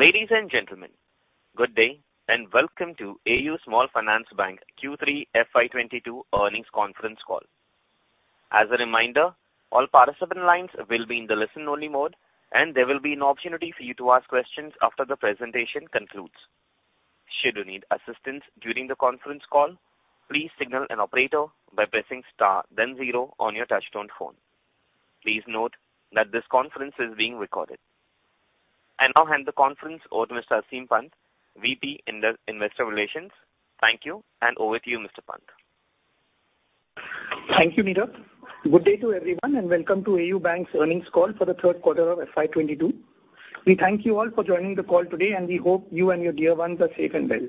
Ladies and gentlemen, good day and welcome to AU Small Finance Bank Q3 FY 2022 earnings conference call. As a reminder, all participant lines will be in the listen-only mode, and there will be an opportunity for you to ask questions after the presentation concludes. Should you need assistance during the conference call, please signal an operator by pressing star then zero on your touchtone phone. Please note that this conference is being recorded. I now hand the conference over to Mr. Aseem Pant, VP, Investor Relations. Thank you and over to you, Mr. Pant. Thank you, Neeraj. Good day to everyone, and welcome to AU Bank's earnings call for the third quarter of FY 2022. We thank you all for joining the call today, and we hope you and your dear ones are safe and well.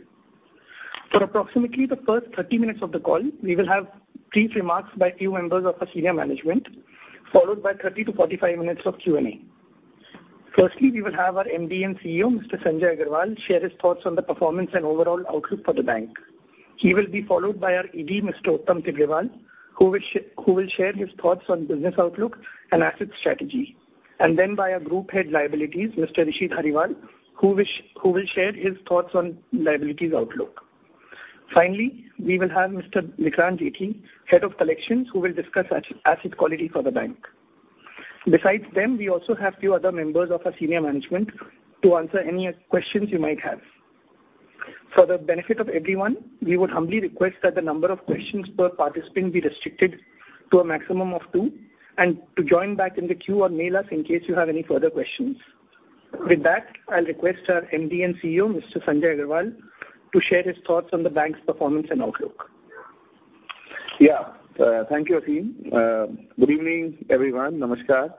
For approximately the first 30 minutes of the call, we will have brief remarks by a few members of our senior management, followed by 30-45 minutes of Q&A. Firstly, we will have our MD and CEO, Mr. Sanjay Agarwal, share his thoughts on the performance and overall outlook for the bank. He will be followed by our ED, Mr. Uttam Tibrewal, who will share his thoughts on business outlook and asset strategy, and then by our Group Head Liabilities, Mr. Rishi Dhariwal, who will share his thoughts on liabilities outlook. Finally, we will have Mr. Vikrant Jethi, Head of Collections, who will discuss asset quality for the bank. Besides them, we also have a few other members of our senior management to answer any questions you might have. For the benefit of everyone, we would humbly request that the number of questions per participant be restricted to a maximum of two and to join back in the queue or mail us in case you have any further questions. With that, I'll request our MD and CEO, Mr. Sanjay Agarwal, to share his thoughts on the bank's performance and outlook. Yeah. Thank you, Aseem. Good evening, everyone. Namaskar.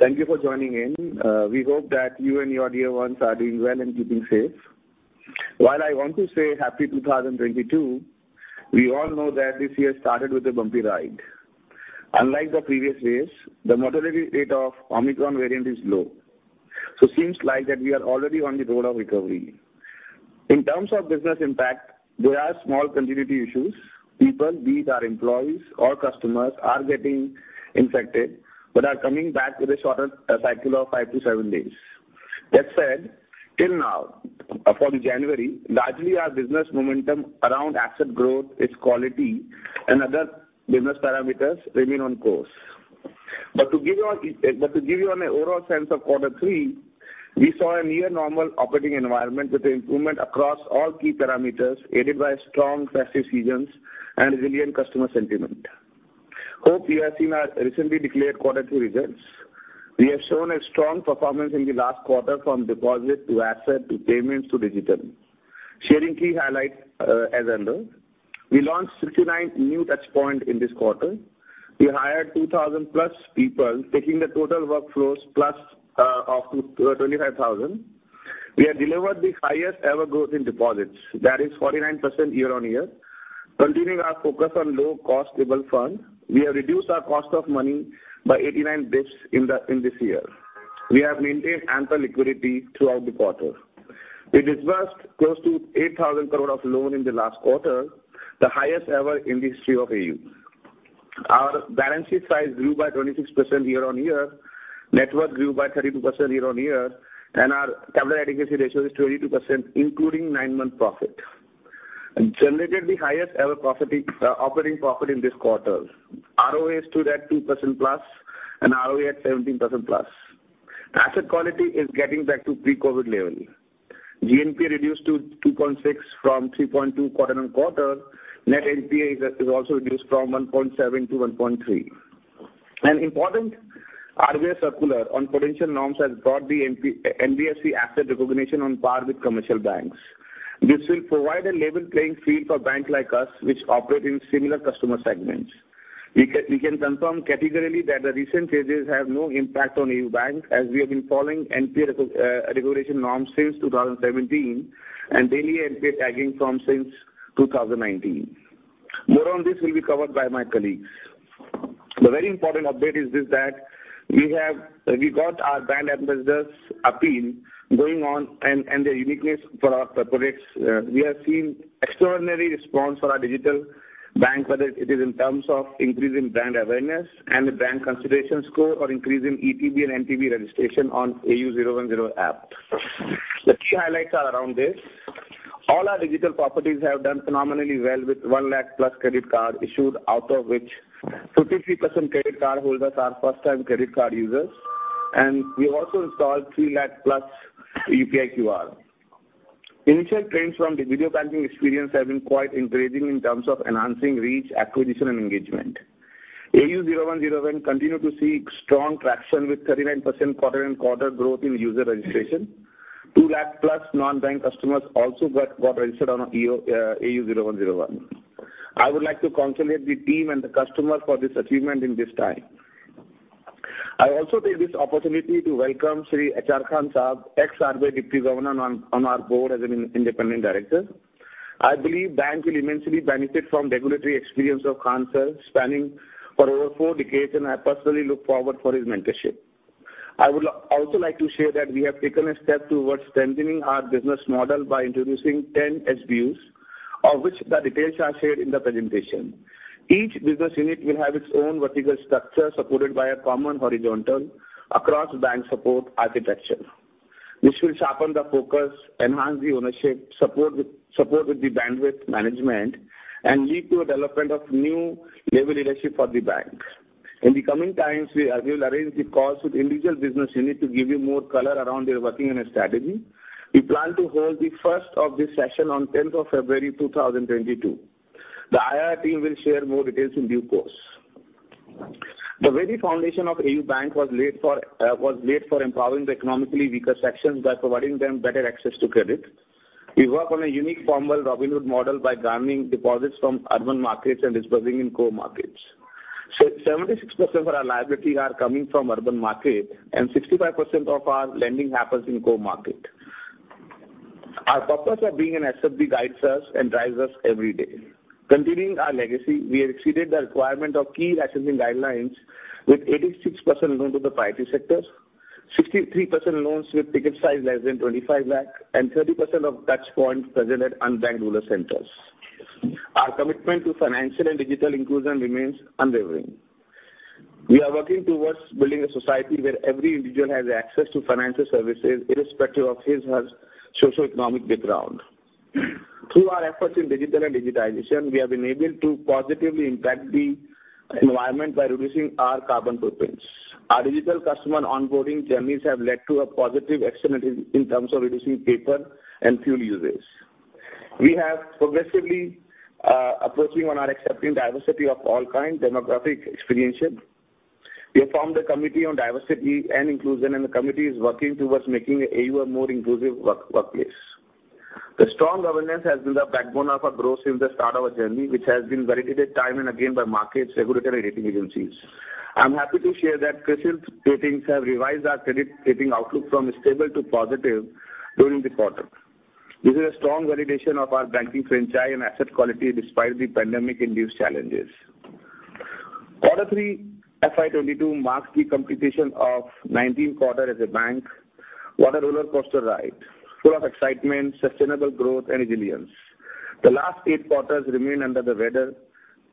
Thank you for joining in. We hope that you and your dear ones are doing well and keeping safe. While I want to say happy 2022, we all know that this year started with a bumpy ride. Unlike the previous years, the mortality rate of Omicron variant is low, so seems like that we are already on the road of recovery. In terms of business impact, there are small continuity issues. People, be it our employees or customers, are getting infected but are coming back with a shorter cycle of 5-7 days. That said, till now, for January, largely our business momentum around asset growth, its quality and other business parameters remain on course. To give you an overall sense of quarter three, we saw a near normal operating environment with improvement across all key parameters, aided by strong festive seasons and resilient customer sentiment. I hope you have seen our recently declared quarter two results. We have shown a strong performance in the last quarter from deposit to asset to payments to digital. Sharing key highlights as under. We launched 69 new touchpoints in this quarter. We hired 2,000+ people, taking the total workforce to 25,000. We have delivered the highest ever growth in deposits, that is 49% year-on-year. Continuing our focus on low-cost stable funds, we have reduced our cost of money by 89 basis points in this year. We have maintained ample liquidity throughout the quarter. We disbursed close to 8,000 crore of loans in the last quarter, the highest ever in the history of AU. Our balance sheet size grew by 26% year-on-year. Net worth grew by 32% year-on-year. Our capital adequacy ratio is 22%, including 9-month profit. We generated the highest ever profit, operating profit in this quarter. ROA stood at 2%+ and ROE at 17%+. Asset quality is getting back to pre-COVID level. GNPA reduced to 2.6% from 3.2% quarter-on-quarter. Net NPA is also reduced from 1.7% to 1.3%. An important RBI circular on provisioning norms has brought the NPA-based classification asset recognition on par with commercial banks. This will provide a level playing field for banks like us, which operate in similar customer segments. We can confirm categorically that the recent changes have no impact on AU Bank, as we have been following NPA recognition norms since 2017 and daily NPA tagging from since 2019. More on this will be covered by my colleagues. The very important update is that we have got our brand ambassadors appeal going on and the uniqueness for our products. We have seen extraordinary response for our digital bank, whether it is in terms of increasing brand awareness and the brand consideration score or increase in ETB and NTB registration on AU 0101 app. The key highlights are around this. All our digital properties have done phenomenally well, with one lakh plus credit card issued, out of which 53% credit card holders are first time credit card users. We also installed three lakh+ UPI QR. Initial trends from the video banking experience have been quite encouraging in terms of enhancing reach, acquisition and engagement. AU 0101 continue to see strong traction with 39% quarter-on-quarter growth in user registration. two lakh+ non-bank customers also got registered on AU 0101. I would like to congratulate the team and the customers for this achievement in this time. I also take this opportunity to welcome Sri H.R. Khan Saab, ex-RBI Deputy Governor on our board as an independent director. I believe the bank will immensely benefit from regulatory experience of Khan sir spanning for over four decades, and I personally look forward for his mentorship. I would also like to share that we have taken a step towards strengthening our business model by introducing 10 SBUs. Of which the details are shared in the presentation. Each business unit will have its own vertical structure supported by a common horizontal across bank support architecture. This will sharpen the focus, enhance the ownership, support with the bandwidth management, and lead to a development of new level leadership for the bank. In the coming times, we will arrange the calls with individual business unit to give you more color around their working and strategy. We plan to hold the first of this session on February 10th, 2022. The IR team will share more details in due course. The very foundation of AU Bank was laid for empowering the economically weaker sections by providing them better access to credit. We work on a unique formal Robin Hood model by garnering deposits from urban markets and dispersing in core markets. 76% of our liability are coming from urban market, and 65% of our lending happens in core market. Our purpose of being an SFB guides us and drives us every day. Continuing our legacy, we have exceeded the requirement of key assessing guidelines with 86% loan to the priority sector, 63% loans with ticket size less than 25 lakh, and 30% of touchpoints present at unbanked rural centers. Our commitment to financial and digital inclusion remains unwavering. We are working towards building a society where every individual has access to financial services irrespective of his or her socioeconomic background. Through our efforts in digital and digitization, we have been able to positively impact the environment by reducing our carbon footprints. Our digital customer onboarding journeys have led to a positive externality in terms of reducing paper and fuel usage. We have progressively approaching on our accepting diversity of all kinds, demographic, experiential. We have formed a committee on diversity and inclusion, and the committee is working towards making AU a more inclusive workplace. The strong governance has been the backbone of our growth since the start of our journey, which has been validated time and again by markets, regulatory, and rating agencies. I'm happy to share that CRISIL Ratings have revised our credit rating outlook from stable to positive during the quarter. This is a strong validation of our banking franchise and asset quality despite the pandemic-induced challenges. Q3 FY 2022 marks the completion of 19th quarter as a bank. What a roller coaster ride, full of excitement, sustainable growth and resilience. The last eight quarters remain under the weather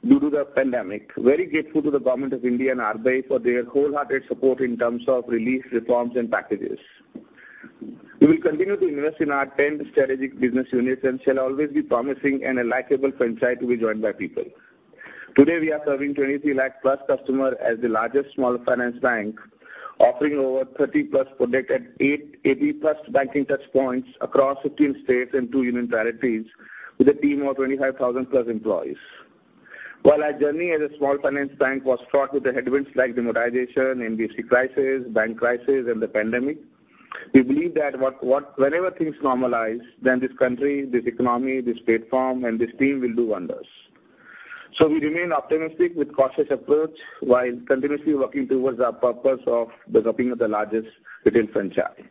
due to the pandemic. Very grateful to the government of India and RBI for their wholehearted support in terms of relief, reforms and packages. We will continue to invest in our 10 strategic business units and shall always be promising a likable franchise to be joined by people. Today, we are serving 23 lakh+ customers as the largest small finance bank, offering over 30+ products at 880+ banking touchpoints across 15 states and two union territories with a team of 25,000+ employees. While our journey as a small finance bank was fraught with the headwinds like demonetization, NBFC crisis, bank crisis and the pandemic, we believe that whenever things normalize, then this country, this economy, this platform and this team will do wonders. We remain optimistic with cautious approach while continuously working towards our purpose of developing the largest retail franchise.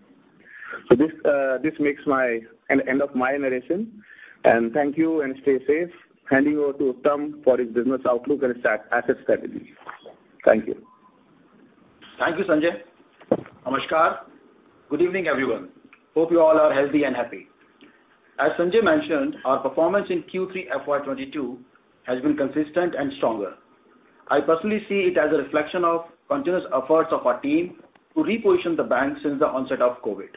This marks the end of my narration. Thank you and stay safe. Handing over to Uttam for his business outlook and strategic asset strategy. Thank you. Thank you, Sanjay. Namaskar. Good evening, everyone. Hope you all are healthy and happy. As Sanjay mentioned, our performance in Q3 FY 2022 has been consistent and stronger. I personally see it as a reflection of continuous efforts of our team to reposition the bank since the onset of COVID.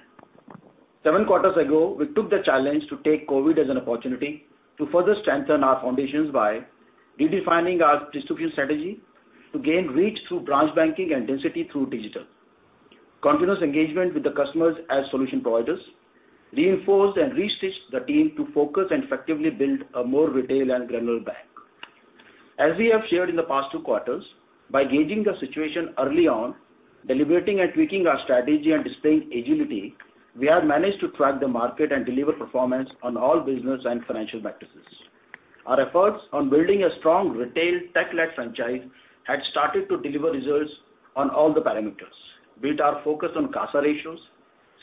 seven quarters ago, we took the challenge to take COVID as an opportunity to further strengthen our foundations by redefining our distribution strategy to gain reach through branch banking and density through digital. Continuous engagement with the customers as solution providers reinforced and restitched the team to focus and effectively build a more retail and granular bank. As we have shared in the past 2 quarters, by gauging the situation early on, deliberating and tweaking our strategy and displaying agility, we have managed to track the market and deliver performance on all business and financial metrics. Our efforts on building a strong retail tech-led franchise had started to deliver results on all the parameters. Be it our focus on CASA ratios,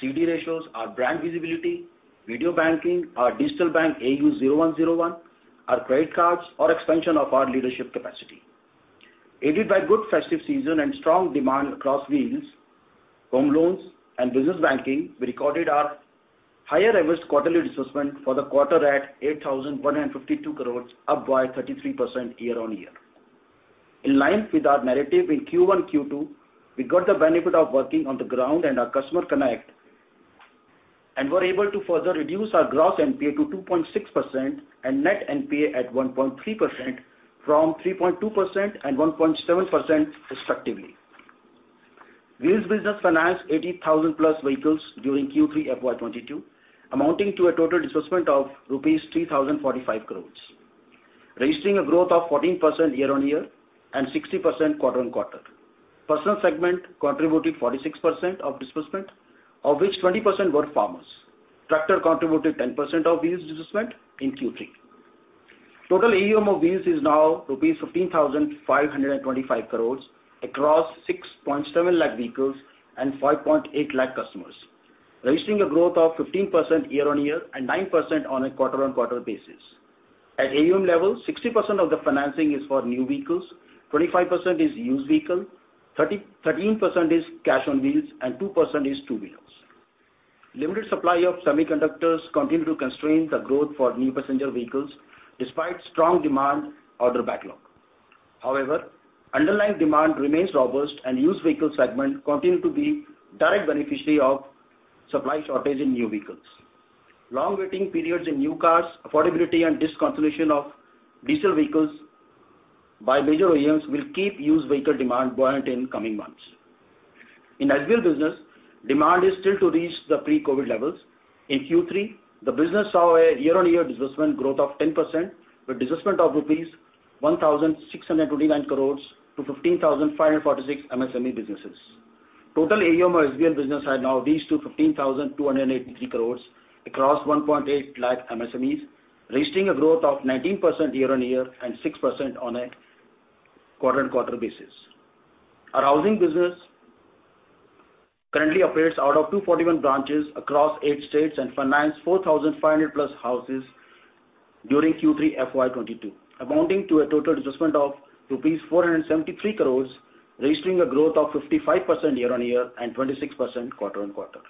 CD ratios, our brand visibility, video banking, our digital bank AU 0101, our credit cards or expansion of our leadership capacity. Aided by good festive season and strong demand across Wheels, home loans and business banking, we recorded our highest ever quarterly disbursement for the quarter at 8,152 crore, up by 33% year-on-year. In line with our narrative in Q1, Q2, we got the benefit of working on the ground and our customer connect, and were able to further reduce our gross NPA to 2.6% and net NPA at 1.3% from 3.2% and 1.7% respectively. Wheels business financed 80,000+ vehicles during Q3 FY 2022, amounting to a total disbursement of rupees 3,045 crore, registering a growth of 14% year-on-year and 60% quarter-on-quarter. Personal segment contributed 46% of disbursement, of which 20% were farmers. Tractor contributed 10% of Wheels disbursement in Q3. Total AUM of Wheels is now rupees 15,525 crore across 6.7 lakh vehicles and 5.8 lakh customers, registering a growth of 15% year-on-year and 9% quarter-on-quarter. At AUM level, 60% of the financing is for new vehicles, 25% is used vehicle, 13% is Cash on Wheels, and 2% is two-wheelers. Limited supply of semiconductors continue to constrain the growth for new passenger vehicles despite strong demand order backlog. However, underlying demand remains robust and used vehicle segment continue to be direct beneficiary of supply shortage in new vehicles. Long waiting periods in new cars, affordability, and discontinuation of diesel vehicles by major OEMs will keep used vehicle demand buoyant in coming months. In SBL business, demand is still to reach the pre-COVID levels. In Q3, the business saw a year-on-year disbursement growth of 10% with disbursement of rupees 1,629 crores to 15,546 MSME businesses. Total AUM of SBL business has now reached to 15,283 crores across 1.8 lakh MSMEs, registering a growth of 19% year-on-year and 6% on a quarter-on-quarter basis. Our housing business currently operates out of 241 branches across eight states and financed 4,500+ houses during Q3 FY 2022, amounting to a total disbursement of rupees 473 crore, registering a growth of 55% year-on-year and 26% quarter-on-quarter.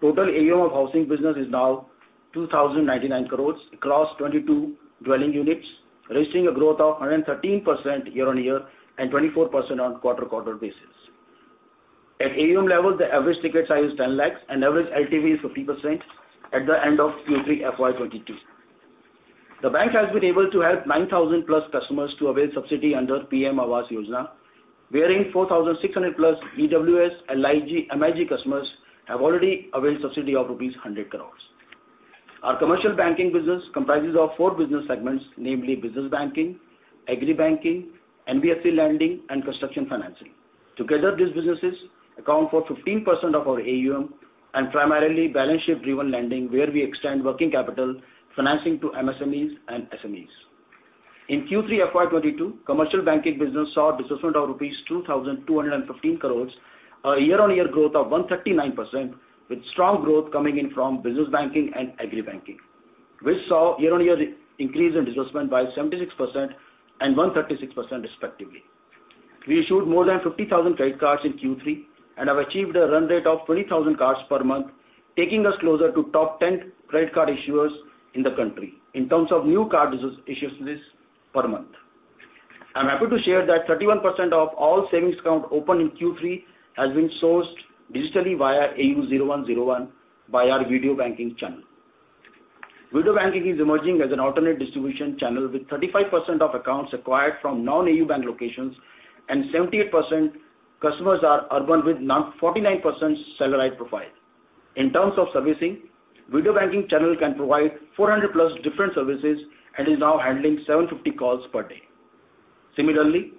Total AUM of housing business is now 2,099 crore across 22,000 dwelling units, registering a growth of 113% year-on-year and 24% on quarter-on-quarter basis. At AUM levels, the average ticket size is 10 lakh and average LTV is 50% at the end of Q3 FY 2022. The bank has been able to help 9,000+ customers to avail subsidy under PM Awas Yojana, wherein 4,600+ EWS, LIG, MIG customers have already availed subsidy of rupees 100 crore. Our commercial banking business comprises of four business segments, namely business banking, agri banking, NBFC lending, and construction financing. Together, these businesses account for 15% of our AUM and primarily balance sheet-driven lending, where we extend working capital financing to MSMEs and SMEs. In Q3 FY 2022, commercial banking business saw disbursement of rupees 2,215 crore, a year-on-year growth of 139%, with strong growth coming in from business banking and agri banking, which saw year-on-year increase in disbursement by 76% and 136% respectively. We issued more than 50,000 credit cards in Q3 and have achieved a run rate of 20,000 cards per month, taking us closer to top 10 credit card issuers in the country in terms of new card issues per month. I'm happy to share that 31% of all savings accounts opened in Q3 have been sourced digitally via AU 0101 by our video banking channel. Video banking is emerging as an alternative distribution channel with 35% of accounts acquired from non-AU Bank locations and 78% customers are urban with 49% salaried profile. In terms of servicing, video banking channel can provide 400+ different services and is now handling 750 calls per day. Similarly,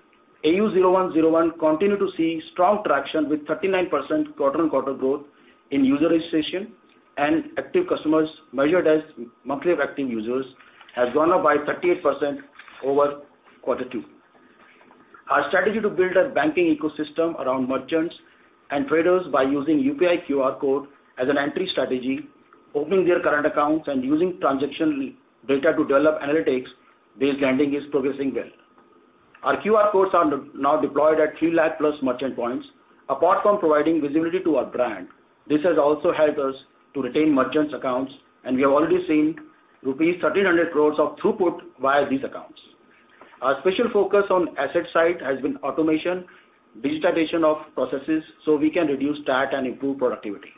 AU 0101 continues to see strong traction with 39% quarter-on-quarter growth in user registration and active customers measured as monthly active users have gone up by 38% over quarter 2. Our strategy to build a banking ecosystem around merchants and traders by using UPI QR code as an entry strategy, opening their current accounts and using transaction data to develop analytics-based lending is progressing well. Our QR codes are now deployed at 300,000+ merchant points. Apart from providing visibility to our brand, this has also helped us to retain merchants' accounts, and we have already seen rupees 1,300 crores of throughput via these accounts. Our special focus on asset side has been automation, digitization of processes so we can reduce TAT and improve productivity.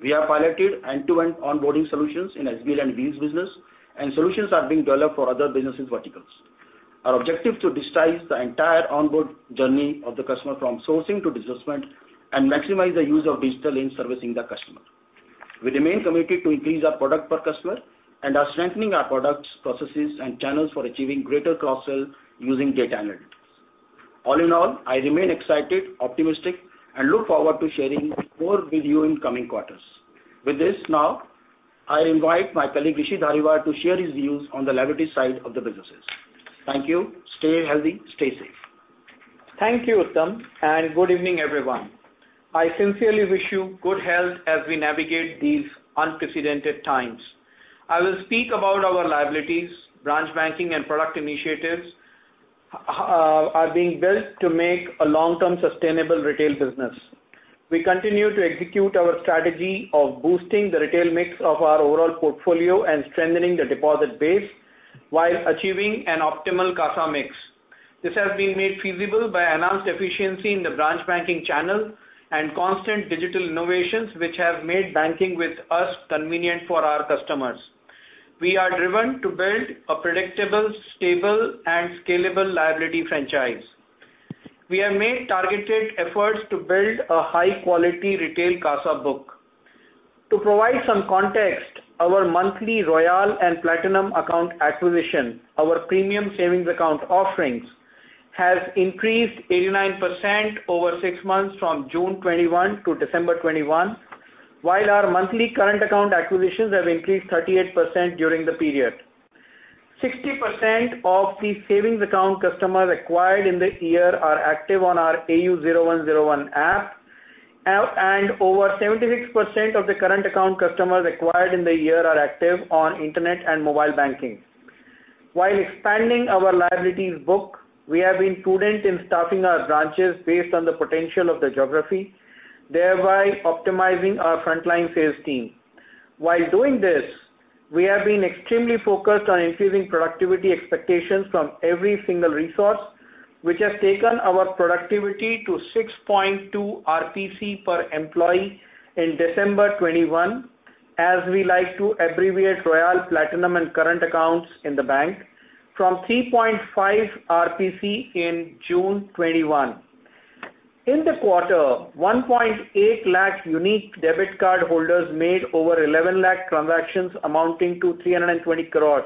We have piloted end-to-end onboarding solutions in SBL and BLs business and solutions are being developed for other business verticals. Our objective to digitize the entire onboard journey of the customer from sourcing to disbursement and maximize the use of digital in servicing the customer. We remain committed to increase our product per customer and are strengthening our products, processes and channels for achieving greater cross-sell using data analytics. All in all, I remain excited, optimistic and look forward to sharing more with you in coming quarters. With this now, I invite my colleague, Rishi Dhariwal, to share his views on the liability side of the businesses. Thank you. Stay healthy, stay safe. Thank you, Uttam, and good evening, everyone. I sincerely wish you good health as we navigate these unprecedented times. I will speak about our liabilities. Branch banking and product initiatives are being built to make a long-term sustainable retail business. We continue to execute our strategy of boosting the retail mix of our overall portfolio and strengthening the deposit base while achieving an optimal CASA mix. This has been made feasible by enhanced efficiency in the branch banking channel and constant digital innovations which have made banking with us convenient for our customers. We are driven to build a predictable, stable and scalable liability franchise. We have made targeted efforts to build a high-quality retail CASA book. To provide some context, our monthly Royale and Platinum account acquisition, our premium savings account offerings, has increased 89% over six months from June 2021 to December 2021, while our monthly current account acquisitions have increased 38% during the period. 60% of the savings account customers acquired in the year are active on our AU 0101 app, and over 76% of the current account customers acquired in the year are active on internet and mobile banking. While expanding our liabilities book, we have been prudent in staffing our branches based on the potential of the geography, thereby optimizing our frontline sales team. While doing this, we have been extremely focused on increasing productivity expectations from every single resource, which has taken our productivity to 6.2 RPC per employee in December 2021, as we like to abbreviate Royale Platinum and Current accounts in the bank, from 3.5 RPC in June 2021. In the quarter, 1.8 lakh unique debit card holders made over 11 lakh transactions amounting to 320 crore,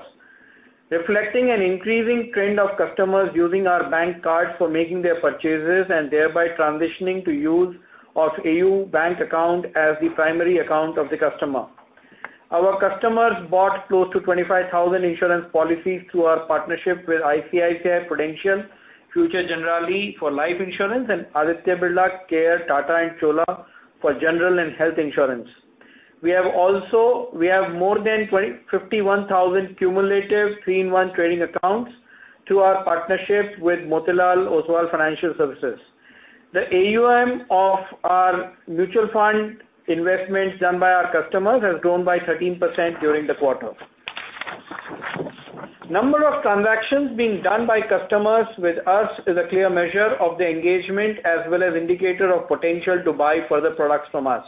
reflecting an increasing trend of customers using our bank card for making their purchases and thereby transitioning to use of AU Bank account as the primary account of the customer. Our customers bought close to 25,000 insurance policies through our partnership with ICICI Prudential, Future Generali for life insurance, and Aditya Birla Health Insurance, Tata and Chola for general and health insurance. We have more than 51,000 cumulative three-in-one trading accounts through our partnership with Motilal Oswal Financial Services. The AUM of our mutual fund investments done by our customers has grown by 13% during the quarter. Number of transactions being done by customers with us is a clear measure of the engagement as well as indicator of potential to buy further products from us.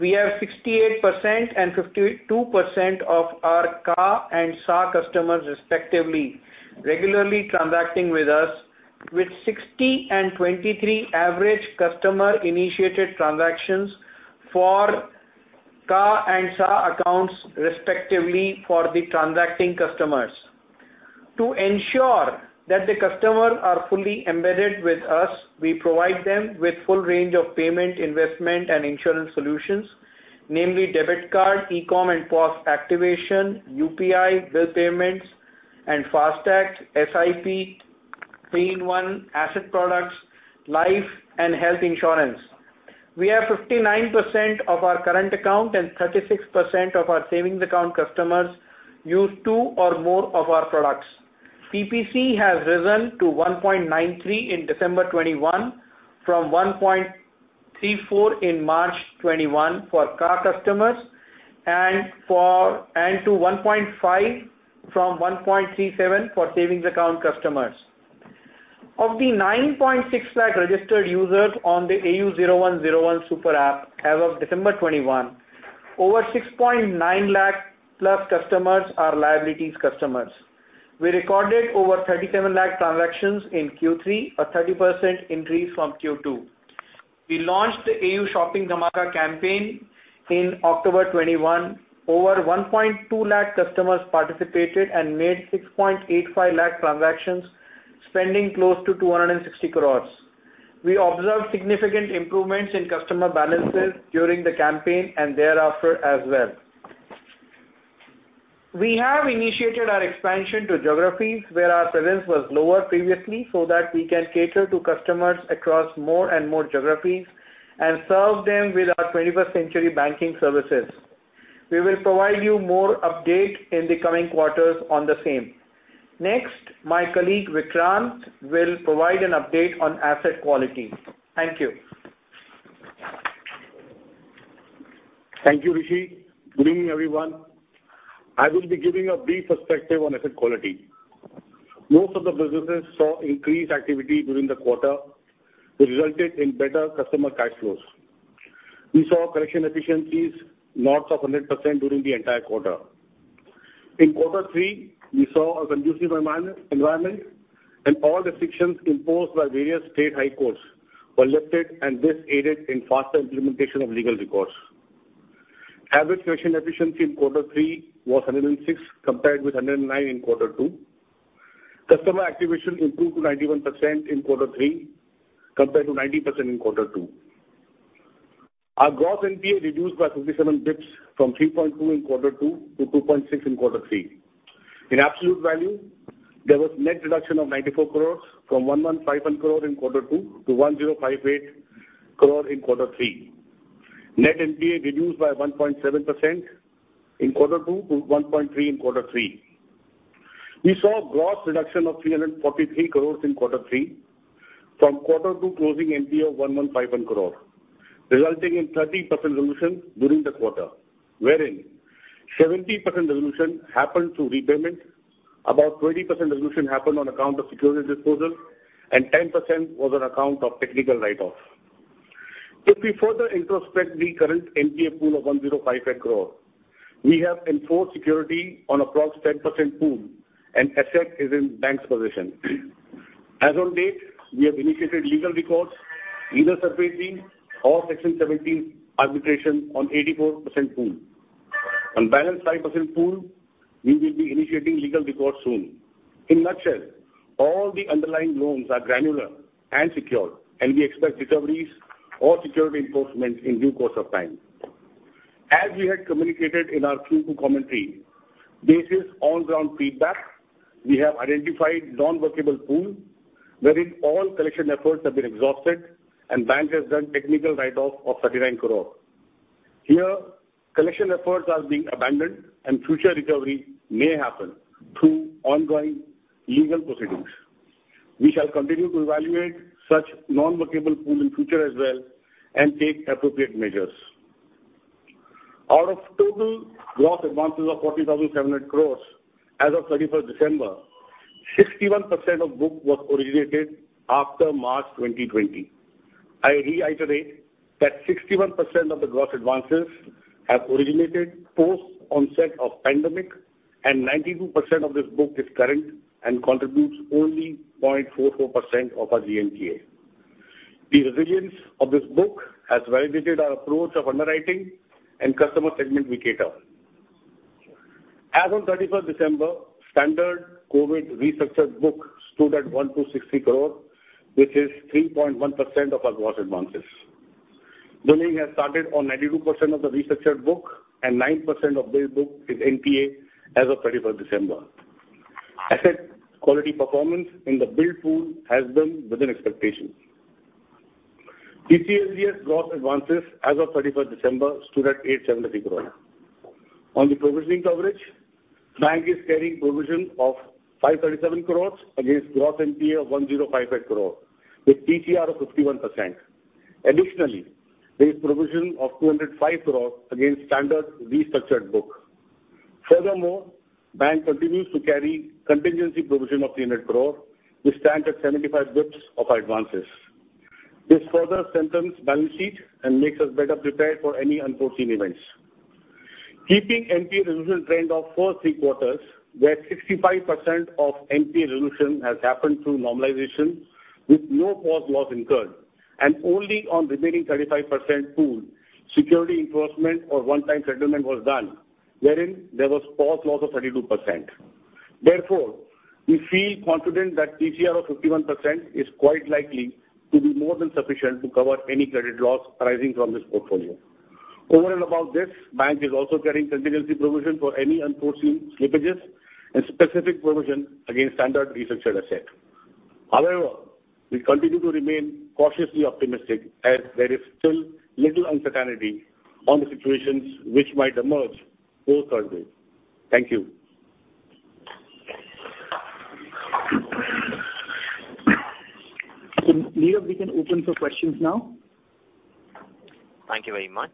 We have 68% and 52% of our CA and SA customers respectively, regularly transacting with us, with 60 and 23 average customer-initiated transactions for Ca and Sa accounts respectively for the transacting customers. To ensure that the customers are fully embedded with us, we provide them with full range of payment, investment and insurance solutions, namely debit card, eCom and POS activation, UPI, bill payments, and FASTag, SIP, three-in-one asset products, life and health insurance. We have 59% of our current account and 36% of our savings account customers use two or more of our products. PPC has risen to 1.93 in December 2021 from 1.34 in March 2021 for CA customers and to 1.5 from 1.37 for savings account customers. Of the 9.6 lakh registered users on the AU 0101 super app as of December 2021, over 6.9 lakh-plus customers are liabilities customers. We recorded over 37 lakh transactions in Q3, a 30% increase from Q2. We launched the AU Shopping Dhamaka campaign in October 2021. Over 1.2 lakh customers participated and made 6.85 lakh transactions, spending close to 260 crore. We observed significant improvements in customer balances during the campaign and thereafter as well. We have initiated our expansion to geographies where our presence was lower previously, so that we can cater to customers across more and more geographies and serve them with our 21st century banking services. We will provide you more update in the coming quarters on the same. Next, my colleague Vikrant will provide an update on asset quality. Thank you. Thank you, Rishi. Good evening, everyone. I will be giving a brief perspective on asset quality. Most of the businesses saw increased activity during the quarter, which resulted in better customer cash flows. We saw collection efficiencies north of 100% during the entire quarter. In quarter three, we saw a conducive environment, and all restrictions imposed by various state high courts were lifted, and this aided in faster implementation of legal recourse. Average collection efficiency in quarter three was 106% compared with 109% in quarter two. Customer activation improved to 91% in quarter three compared to 90% in quarter two. Our gross NPA reduced by 57 basis points from 3.2% in quarter two to 2.6% in quarter three. In absolute value, there was net reduction of 94 crore from 1,151 crore in quarter two to 1,058 crore in quarter three. Net NPA reduced by 1.7% in quarter two to 1.3% in quarter three. We saw gross reduction of 343 crore in quarter three from quarter two closing NPA of 1,151 crore, resulting in 30% resolution during the quarter, wherein 70% resolution happened through repayment, about 20% resolution happened on account of security disposals, and 10% was on account of technical write-off. If we further introspect the current NPA pool of 1,058 crore, we have enforced security on approx 10% pool and asset is in bank's possession. As on date, we have initiated legal recourse, either Section 18 or Section 17 arbitration on 84% pool. On balance 5% pool, we will be initiating legal recourse soon. In a nutshell, all the underlying loans are granular and secure, and we expect recoveries or security enforcement in due course of time. As we had communicated in our Q2 commentary, based on ground feedback, we have identified non-workable pool, wherein all collection efforts have been exhausted and bank has done technical write-off of 39 crore. Here, collection efforts are being abandoned and future recovery may happen through ongoing legal proceedings. We shall continue to evaluate such non-workable pool in future as well and take appropriate measures. Out of total gross advances of 40,700 crore as of December 31st, 61% of book was originated after March 2020. I reiterate that 61% of the gross advances have originated post onset of pandemic, and 92% of this book is current and contributes only 0.44% of our GNPA. The resilience of this book has validated our approach of underwriting and customer segment we cater. As of December 31, standstill COVID restructured book stood at 160 crore, which is 3.1% of our gross advances. Lending has started on 92% of the restructured book and 9% of this book is NPA as of December 31. Asset quality performance in the build pool has been within expectations. ECLGS gross advances as of December 31 stood at 873 crore. On the provisioning coverage, bank is carrying provision of 537 crore against gross NPA of 1,058 crore with TCR of 51%. Additionally, there is provision of 205 crore against standard restructured book. Furthermore, bank continues to carry contingency provision of 300 crore, which stands at 75 basis points of our advances. This further strengthens balance sheet and makes us better prepared for any unforeseen events. Keeping NPA resolution trend of first three quarters, where 65% of NPA resolution has happened through normalization with no core loss incurred, and only on remaining 35% pool security enforcement or one-time settlement was done, wherein there was core loss of 32%. Therefore, we feel confident that TCR of 51% is quite likely to be more than sufficient to cover any credit loss arising from this portfolio. Over and above this, bank is also carrying contingency provision for any unforeseen slippages and specific provision against standard restructured asset. However, we continue to remain cautiously optimistic as there is still little uncertainty on the situations which might emerge post COVID. Thank you. Neeraj, we can open for questions now. Thank you very much.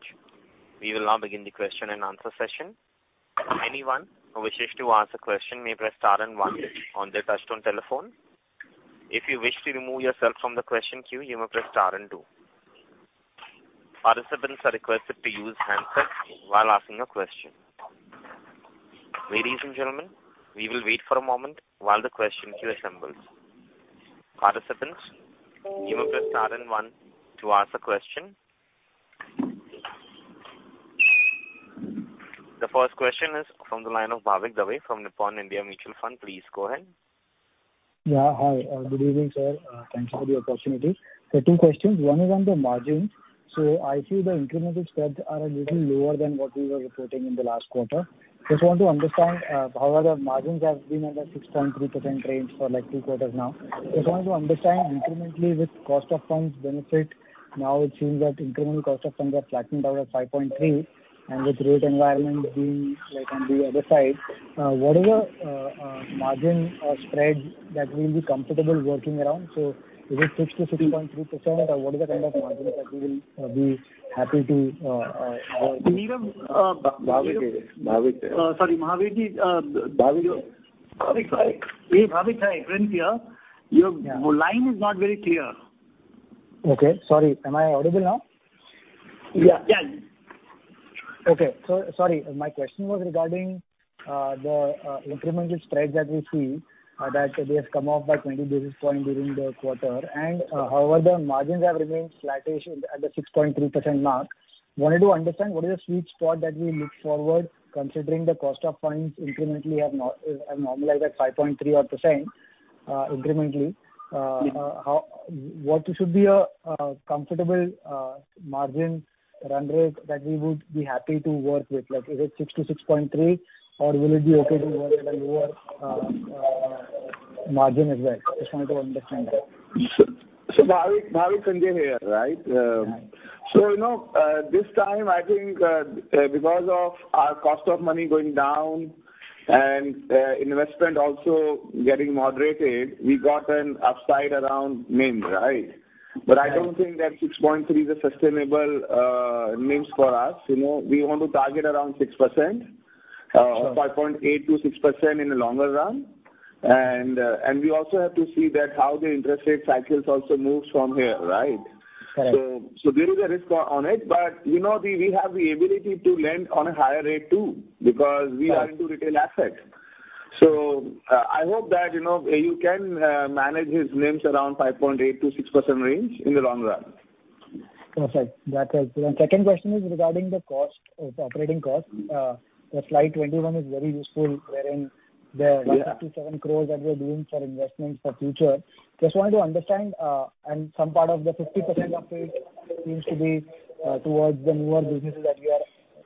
We will now begin the question and answer session. Anyone who wishes to ask a question may press star and one on their touch-tone telephone. If you wish to remove yourself from the question queue, you may press star and two. Participants are requested to use handsets while asking a question. Ladies and gentlemen, we will wait for a moment while the question queue assembles. Participants, you may press star and one to ask a question. The first question is from the line of Bhavik Dave from Nippon India Mutual Fund. Please go ahead. Yeah, hi. Good evening, sir. Thanks for the opportunity. There are two questions. One is on the margins. I see the incremental spreads are a little lower than what we were reporting in the last quarter. Just want to understand how the margins have been at a 6.3% range for like three quarters now. Just wanted to understand incrementally with cost of funds benefit. Now it seems that incremental cost of funds are flattening out at 5.3, and with rate environment being like on the other side, what is the margin or spread that we will be comfortable working around? So is it 6%-6.3% or what is the kind of margin that we will be happy to. Sorry, Bhavik Dave. My friend here, your line is not very clear. Okay. Sorry. Am I audible now? Yeah. Yeah. Sorry. My question was regarding the incremental spread that we see that it has come off by 20 basis points during the quarter. However, the margins have remained flat-ish at the 6.3% mark. Wanted to understand what is the sweet spot that we look forward, considering the cost of funds incrementally have normalized at 5.3 or so % incrementally. What should be a comfortable margin run rate that we would be happy to work with? Like is it 6%-6.3%, or will it be okay to work at a lower margin as well? Just wanted to understand that. Bhavik, Sanjay here, right? You know, this time, I think, because of our cost of money going down and investment also getting moderated, we got an upside around NIM, right? I don't think that 6.3% is a sustainable NIM for us. You know, we want to target around 6%, 5.8%-6% in the longer run. We also have to see that how the interest rate cycles also moves from here, right? Correct. There is a risk on it. You know, we have the ability to lend on a higher rate too, because we are into retail assets. I hope that, you know, you can manage his NIMs around 5.8%-6% range in the long run. Perfect. That helps. Second question is regarding the cost, the operating cost. The slide 21 is very useful, wherein the 157 crore that we are doing for investment for future. Just wanted to understand, and some part of the 50% of it seems to be towards the newer businesses that you are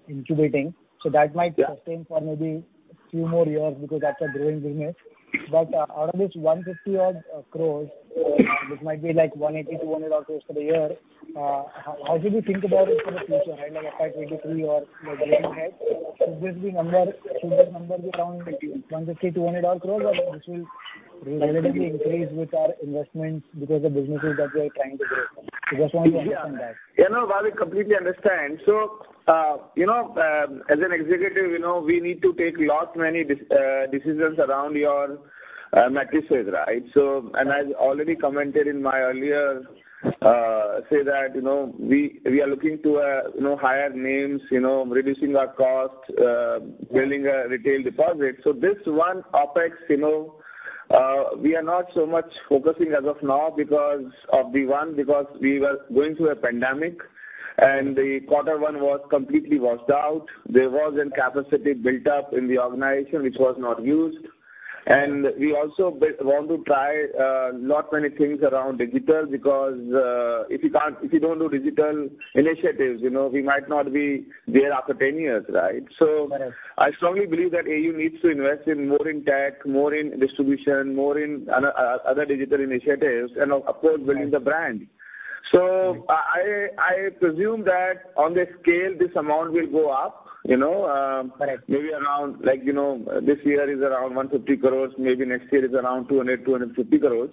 incubating. So that might sustain for maybe few more years because that's a growing business. But out of this 150 crore, this might be like 180-200 crore for the year. How do we think about it for the future? I mean, like FY 2023 or, you know, going ahead. Should this number be around 150-200 crore or this will relatively increase with our investments because the businesses that we are trying to grow? I just want to understand that. Yeah. You know, Bhavik, I completely understand. As an executive, you know, we need to take many decisions around our metrics, right? As already commented in my earlier statement, you know, we are looking to hire names, you know, reducing our cost, building a retail deposit. This one OpEx, you know, we are not so much focusing as of now because we were going through a pandemic and quarter one was completely washed out. There was a capacity built up in the organization which was not used. We also want to try many things around digital because if you don't do digital initiatives, you know, we might not be there after 10 years, right? Correct. I strongly believe that AU needs to invest in more in tech, more in distribution, more in other digital initiatives and of course building the brand. I presume that on the scale this amount will go up, you know. Correct. Maybe around, like, you know, this year is around 150 crores. Maybe next year is around 200 crores-250 crores.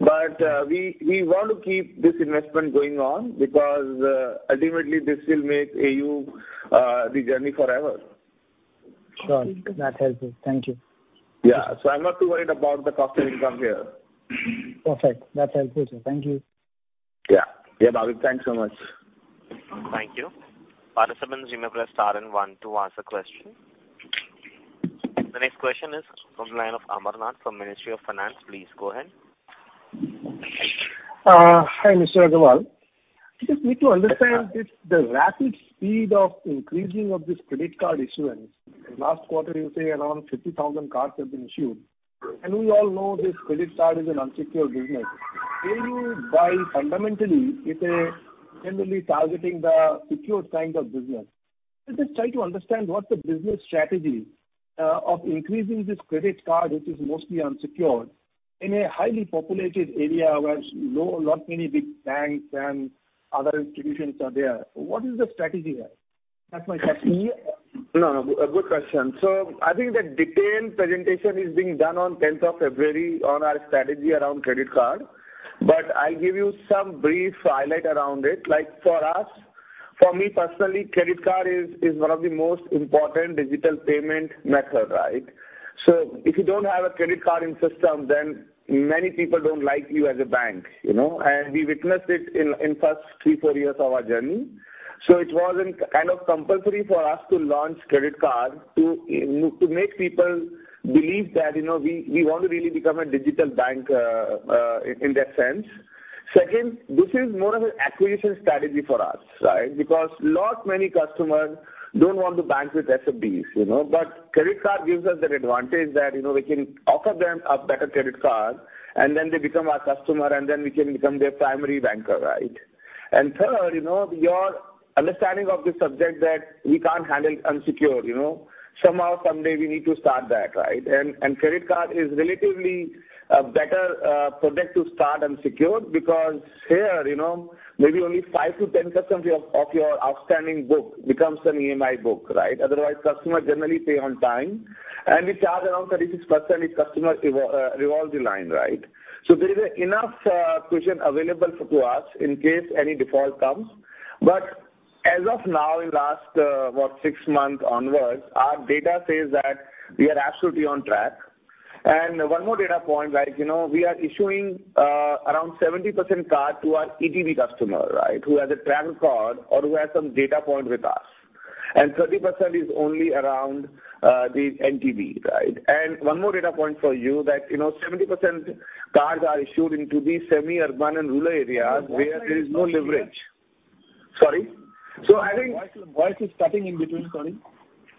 We want to keep this investment going on because ultimately this will make AU the journey forever. Sure. That helps me. Thank you. Yeah. I'm not too worried about the cost and income here. Perfect. That's helpful, sir. Thank you. Yeah. Yeah, Bhavik, thanks so much. Thank you. Participants, you may press star and one to ask a question. The next question is from the line of Amarnath from Ministry of Finance. Please go ahead. Hi, Mr. Agarwal. Just need to understand if the rapid speed of increasing of this credit card issuance. Last quarter you say around 50,000 cards have been issued. We all know this credit card is an unsecured business. AU, while fundamentally is a generally targeting the secured kind of business. Just try to understand what the business strategy of increasing this credit card, which is mostly unsecured in a highly populated area where not many big banks and other institutions are there. What is the strategy there? That's my question. Yeah. No, a good question. I think the detailed presentation is being done on 10th of February on our strategy around credit card. I'll give you some brief highlight around it. Like for us, for me personally, credit card is one of the most important digital payment method, right? If you don't have a credit card in system, then many people don't like you as a bank, you know. We witnessed it in first three to four years of our journey. It was kind of compulsory for us to launch credit card to make people believe that, you know, we want to really become a digital bank in that sense. Second, this is more of an acquisition strategy for us, right? Because lots many customers don't want to bank with SFBs, you know. Credit card gives us that advantage that, you know, we can offer them a better credit card and then they become our customer and then we can become their primary banker, right? Third, you know, your understanding of the subject that we can't handle unsecured, you know. Somehow, someday we need to start that, right? Credit card is relatively a better product to start unsecured because here, you know, maybe only five to ten customers of your outstanding book becomes an EMI book, right? Otherwise customers generally pay on time and we charge around 36% if customer revolves the line, right? So there is enough cushion available for to us in case any default comes. As of now, in last six months onwards, our data says that we are absolutely on track. One more data point, like, you know, we are issuing around 70% card to our ETB customer, right? Who has a travel card or who has some data point with us. Thirty percent is only around the NTB, right? One more data point for you that, you know, 70% cards are issued into the semi-urban and rural areas where there is more leverage. Sorry. I think- voice is cutting in between, sorry.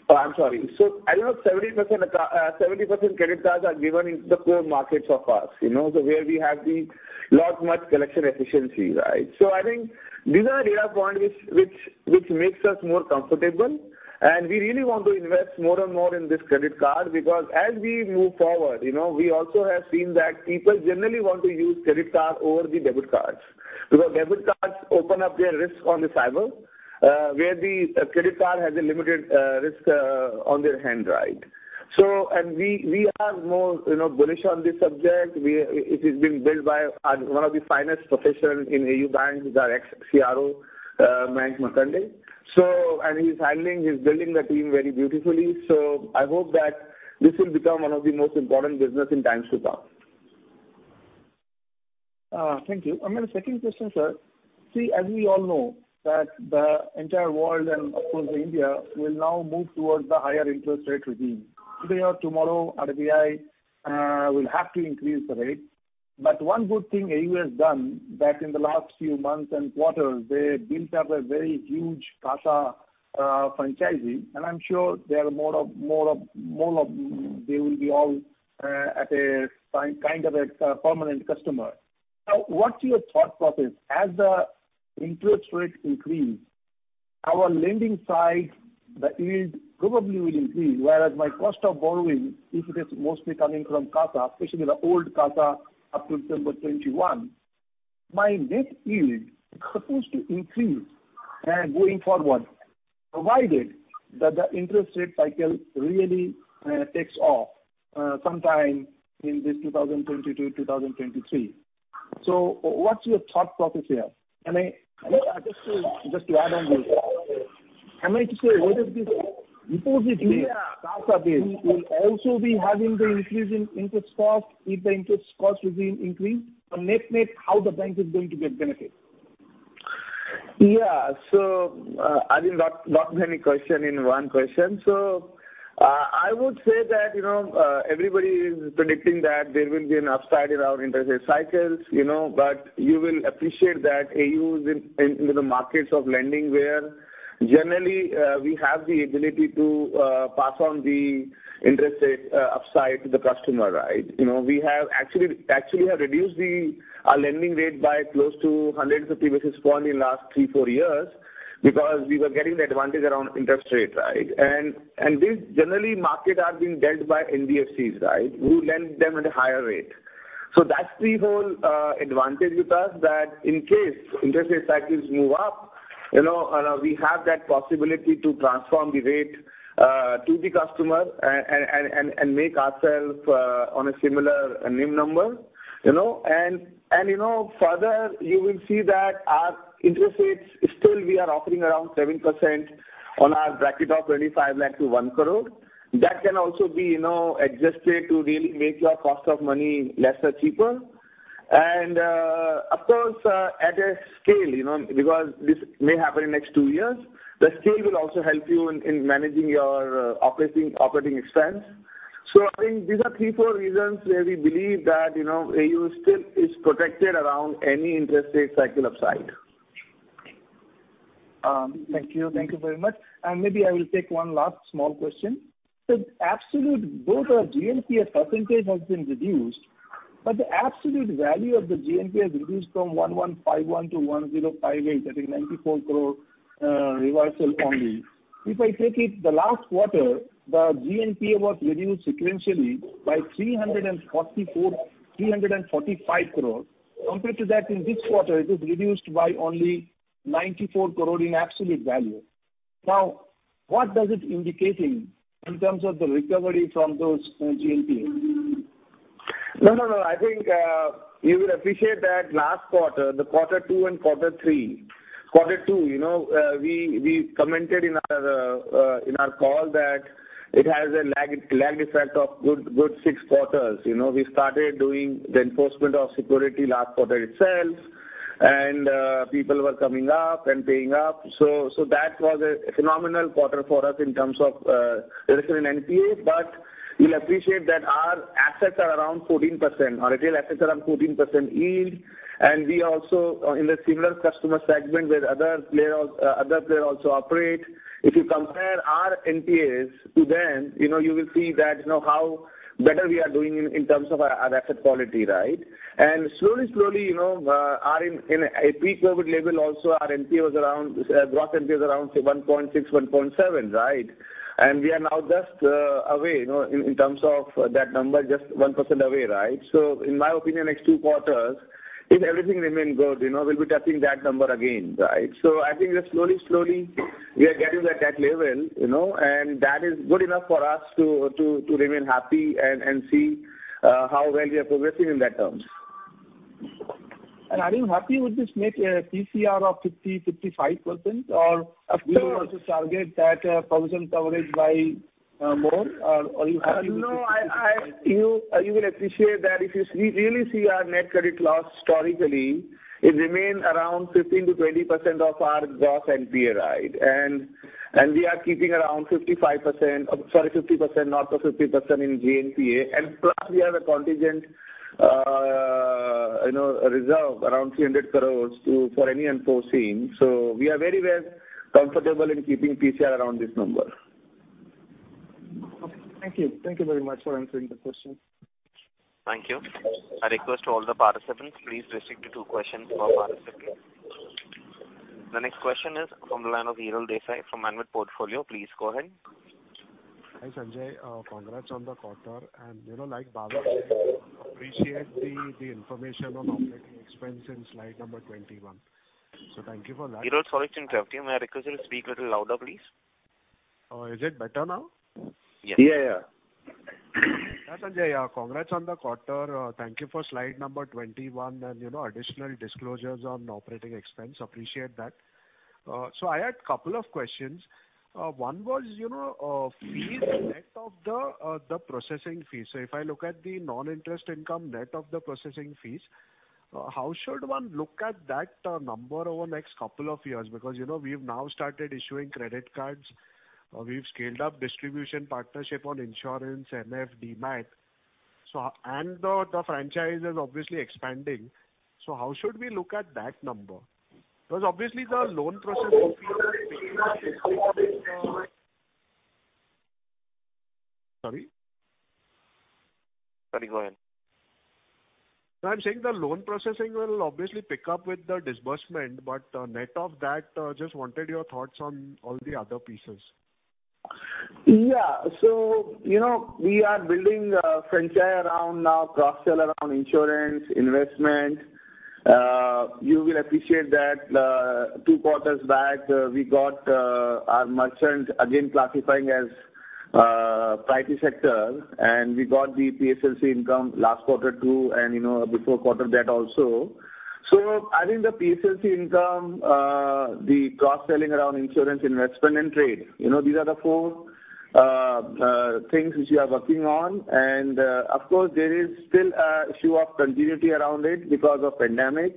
I'm sorry. I know 70% credit cards are given in the core markets of us, you know. Where we have a lot more collection efficiency, right? I think these are data points which makes us more comfortable and we really want to invest more and more in this credit card because as we move forward, you know, we also have seen that people generally want to use credit card over the debit cards. Because debit cards open up their risk on the cyber, where the credit card has a limited risk on their hand, right? We are more, you know, bullish on this subject. It is being built by one of the finest professional in AU Bank, who's our ex-CRO, Mayank Markanday. He's handling, he's building the team very beautifully. I hope that this will become one of the most important business in times to come. Thank you. The second question, sir. See, as we all know that the entire world and of course India will now move towards the higher interest rate regime. Today or tomorrow RBI will have to increase the rate. One good thing AU has done that in the last few months and quarters they built up a very huge CASA franchise. I'm sure they are more of a permanent customer. Now, what's your thought process? As the interest rates increase, our lending side, the yield probably will increase, whereas my cost of borrowing, if it is mostly coming from CASA, especially the old CASA up to December 2021, my net yield supposed to increase, going forward, provided that the interest rate cycle really takes off, sometime in this 2022-2023. So what's your thought process here? Just to add on this. Am I to say whether this deposit base, CASA base will also be having the increase in interest cost if the interest cost will be increased? Net-net, how the bank is going to get benefit? I think that's a lot many questions in one question. I would say that, you know, everybody is predicting that there will be an upside in our interest rate cycles, you know. You will appreciate that AU is in the markets of lending where generally we have the ability to pass on the interest rate upside to the customer, right? You know, we actually have reduced our lending rate by close to 150 basis points in last three-four years because we were getting the advantage around interest rate, right? These generally markets are being dealt by NBFCs, right? We lend them at a higher rate. That's the whole advantage with us that in case interest rate cycles move up, you know, we have that possibility to transform the rate to the customer and make ourself on a similar NIM number, you know. You know, further you will see that our interest rates still we are offering around 7% on our bracket of 25 lakh to one crore. That can also be, you know, adjusted to really make your cost of money lesser, cheaper. Of course, at a scale, you know, because this may happen in next two years, the scale will also help you in managing your operating expense. I think these are three, four reasons where we believe that, you know, AU still is protected around any interest rate cycle upside. Thank you. Thank you very much. Maybe I will take one last small question. Absolute both our GNPA percentage has been reduced, but the absolute value of the GNPA has reduced from 1,151 to 1,058, that is 94 crore reversal only. If I take the last quarter, the GNPA was reduced sequentially by 345 crores. Compared to that in this quarter it is reduced by only 94 crore in absolute value. Now, what does it indicate in terms of the recovery from those GNPA? No, no. I think you will appreciate that last quarter, the quarter two and quarter three. Quarter two, you know, we commented in our call that it has a lag effect of good six quarters. You know, we started doing the enforcement of security last quarter itself and people were coming up and paying up. That was a phenomenal quarter for us in terms of reduction in NPA. But you'll appreciate that our assets are around 14%. Our retail assets are around 14% yield. And we also in the similar customer segment where other player also operate. If you compare our NPAs to them, you know, you will see that, you know, how better we are doing in terms of our asset quality, right? Slowly, you know, our, in a pre-COVID level also our NPA was around, gross NPA was around say 1.6-1.7%, right? We are now just away, you know, in terms of that number, just 1% away, right? In my opinion, next two quarters, if everything remain good, you know, we'll be touching that number again, right? I think just slowly we are getting at that level, you know, and that is good enough for us to remain happy and see how well we are progressing in that terms. Are you happy with this net PCR of 55% or- Of course. Do you want to target that provision coverage by more? Or are you happy with this? No. You will appreciate that if you really see our net credit loss historically, it remain around 15%-20% of our gross NPA, right? We are keeping around 55%, sorry, 50%, north of 50% in GNPA. Plus we have a contingent reserve around 300 crore for any unforeseen. We are very well comfortable in keeping PCR around this number. Okay. Thank you. Thank you very much for answering the question. Thank you. I request all the participants, please restrict to two questions per participant. The next question is from the line of Errol Desai from Manvit Portfolio. Please go ahead. Hi, Sanjay. Congrats on the quarter. You know, like Bhavik, I appreciate the information on operating expense in slide number 21. Thank you for that. Errol, sorry to interrupt you. May I request you to speak little louder, please? Is it better now? Yes. Yeah, yeah. Yeah, Sanjay. Yeah, congrats on the quarter. Thank you for slide number 21 and, you know, additional disclosures on operating expense. Appreciate that. I had a couple of questions. One was, you know, fees net of the processing fees. If I look at the non-interest income net of the processing fees, how should one look at that number over next couple of years? Because, you know, we've now started issuing credit cards. We've scaled up distribution partnership on insurance, MF, Demat. And the franchise is obviously expanding. How should we look at that number? Because obviously the loan processing fees. Sorry? Sorry, go ahead. No, I'm saying the loan processing will obviously pick up with the disbursement, but, net of that, just wanted your thoughts on all the other pieces. Yeah. You know, we are building a franchise around now cross-sell around insurance, investment. You will appreciate that, two quarters back, we got, our merchants again classifying as, priority sector, and we got the PSLC income last quarter too, and, you know, before quarter that also. I think the PSLC income, the cross-selling around insurance, investment and trade, you know, these are the four, things which we are working on. Of course, there is still a issue of continuity around it because of pandemic.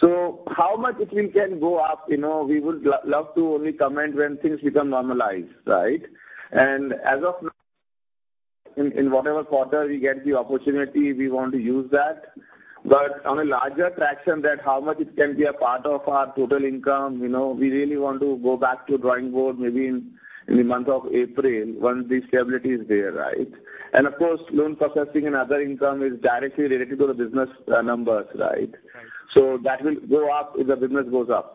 How much it will then go up, you know, we would love to only comment when things become normalized, right? As of now, in whatever quarter we get the opportunity, we want to use that. On a larger fraction that how much it can be a part of our total income, you know, we really want to go back to drawing board maybe in the month of April once the stability is there, right? Of course, loan processing and other income is directly related to the business, numbers, right? Right. That will go up if the business goes up.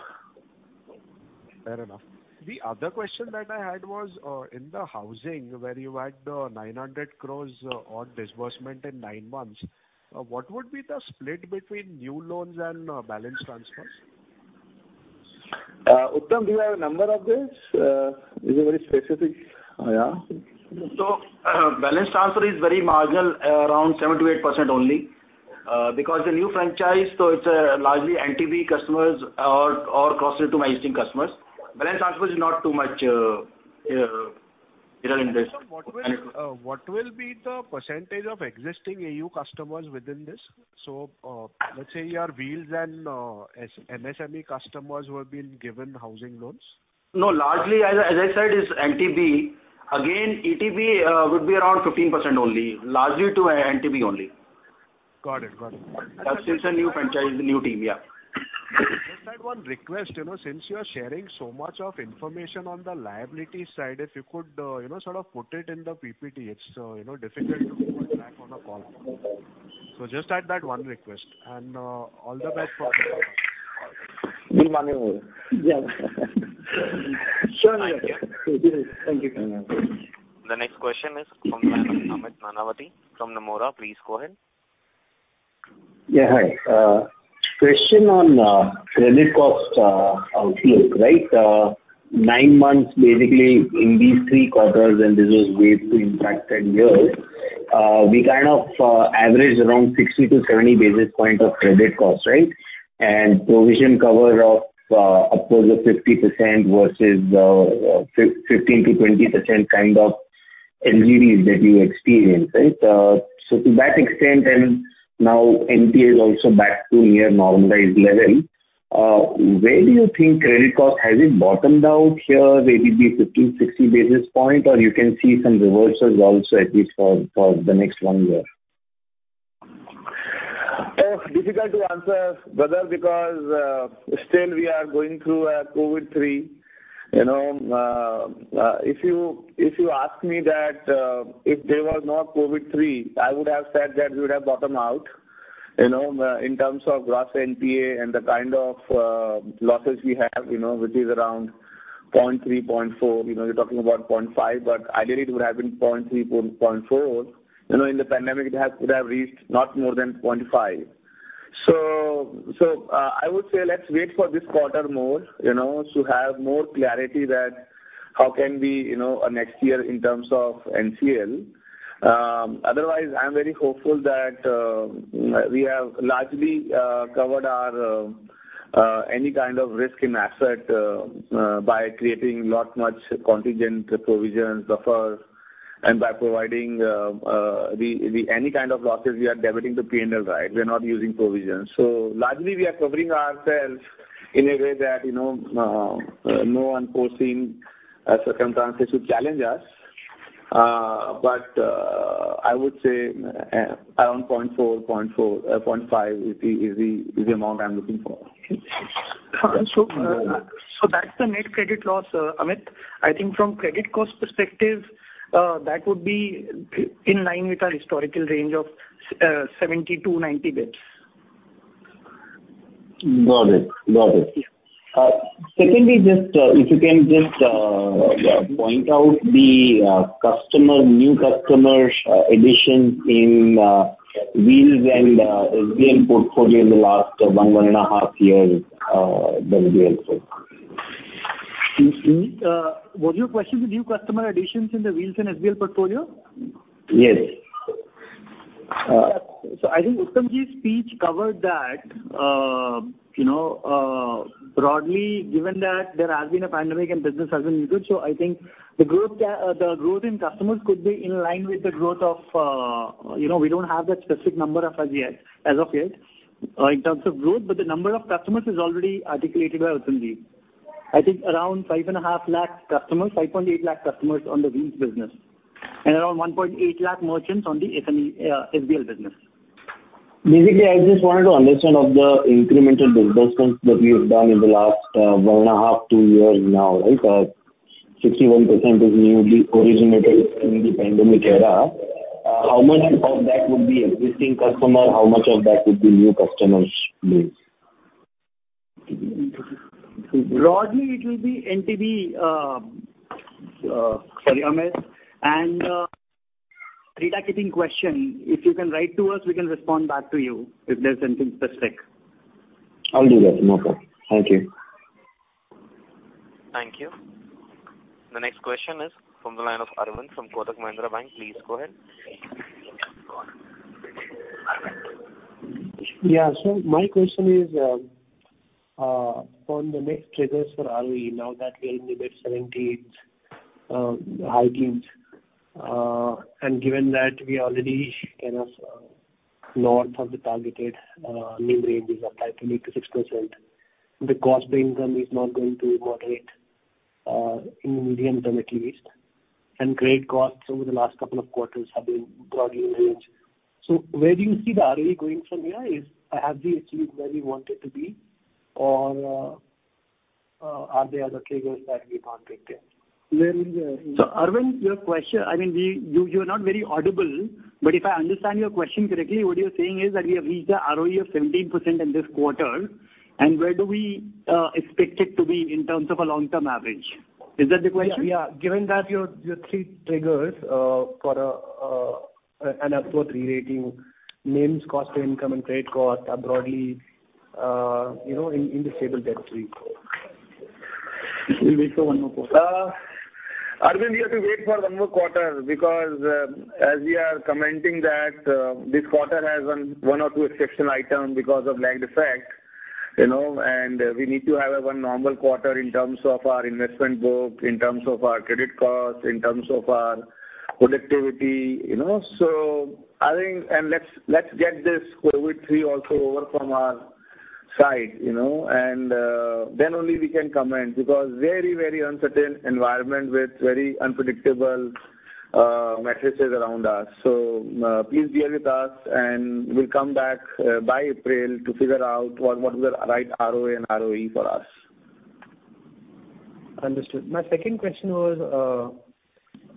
Fair enough. The other question that I had was, in the housing where you had 900 crore-odd disbursement in 9 months, what would be the split between new loans and balance transfers? Uttam, do you have a number of this? This is very specific. Yeah. Balance transfer is very marginal, around 7%-8% only. Because the new franchise, it's largely NTB customers or cross-sell to my existing customers. Balance transfer is not too much here in this. What will be the percentage of existing AU customers within this? Let's say your Wheels and SBL/MSME customers who have been given housing loans. No, largely, as I said, it's NTB. Again, ETB would be around 15% only. Largely to NTB only. Got it. Got it. That's since a new franchise, new team. Yeah. Just that one request, you know, since you are sharing so much of information on the liability side, if you could, you know, sort of put it in the PPT. It's, you know, difficult to keep track on a call. Just add that one request. All the best for it. We'll manage. Yeah. Sure. Thank you. Thank you. The next question is from Amit Nanavati from Nomura. Please go ahead. Yeah, hi. Question on credit cost outlook, right? Nine months basically in these three quarters, and this is way pre-impact. Ten years we kind of averaged around 60-70 basis points of credit cost, right? Provision cover of upwards of 50% versus 15%-20% kind of NPAs that you experience, right? To that extent, and now NPA is also back to near normalized level, where do you think credit cost has it bottomed out here, maybe 50, 60 basis point or you can see some reversals also at least for the next one year? Difficult to answer, brother, because still we are going through COVID-3. You know, if you ask me that, if there was no COVID-3, I would have said that we would have bottomed out, you know, in terms of gross NPA and the kind of losses we have, you know, which is around 0.3%-0.4%. You know, you're talking about 0.5%, but ideally it would have been 0.3%-0.4%. You know, in the pandemic it has could have reached not more than 0.5%. So, I would say let's wait for this quarter more, you know, to have more clarity that how can we, you know, next year in terms of NCL. Otherwise I'm very hopeful that we have largely covered our any kind of risk in asset by creating a lot more contingent provisions buffers and by providing any kind of losses we are debiting to P&L, right? We're not using provisions. Largely we are covering ourselves in a way that, you know, no unforeseen circumstances should challenge us. But I would say around 0.4-0.5 is the amount I'm looking for. That's the net credit loss, Amit. I think from credit cost perspective, that would be in line with our historical range of 70-90 basis. Got it. Yeah. Secondly, if you can just point out the new customer additions in Wheels and SBL portfolio in the last one and a half years, that would be helpful. Was your question the new customer additions in the Wheels and SBL portfolio? Yes. I think Uttamji's speech covered that. You know, broadly, given that there has been a pandemic and business has been muted. I think the growth in customers could be in line with the growth of, you know, we don't have that specific number as yet, in terms of growth, but the number of customers is already articulated by Uttamji. I think around 5.5 lakh customers, 5.8 lakh customers on the Wheels business and around 1.8 lakh merchants on the SME, SBL business. Basically, I just wanted to understand of the incremental business that we have done in the last 1.5, 2 years now, right? 61% is newly originated in the pandemic era. How much of that would be existing customer? How much of that would be new customers base? Broadly it will be NTB. Sorry, Amit. Regarding question, if you can write to us, we can respond back to you if there's anything specific. I'll do that. No problem. Thank you. Thank you. The next question is from the line of Arvind from Kotak Mahindra Bank. Please go ahead. My question is on the next triggers for ROE now that we are in the mid-17s, high teens, and given that we already kind of north of the targeted NIM range is up 5% to 8% to 6%, the cost to income is not going to moderate in medium term at least, and credit costs over the last couple of quarters have been broadly in range. Where do you see the ROE going from here? Have we achieved where we want it to be or, are there other triggers that we can't predict yet? Arvind, your question. I mean, you're not very audible, but if I understand your question correctly, what you're saying is that we have reached a ROE of 17% in this quarter and where do we expect it to be in terms of a long-term average? Is that the question? Yeah. Given that your three triggers for an upward rerating, NIMs, cost to income, and credit costs are broadly, you know, in the stable territory. We wait for one more quarter. Arvind, we have to wait for one more quarter because as we are commenting that this quarter has one or two exceptional items because of lagged effect, you know, and we need to have a normal quarter in terms of our investment book, in terms of our credit costs, in terms of our productivity, you know. I think let's get this COVID threat also over from our side, you know, and then only we can comment because very, very uncertain environment with very unpredictable metrics around us. Please bear with us and we'll come back by April to figure out what is the right ROA and ROE for us. Understood. My second question was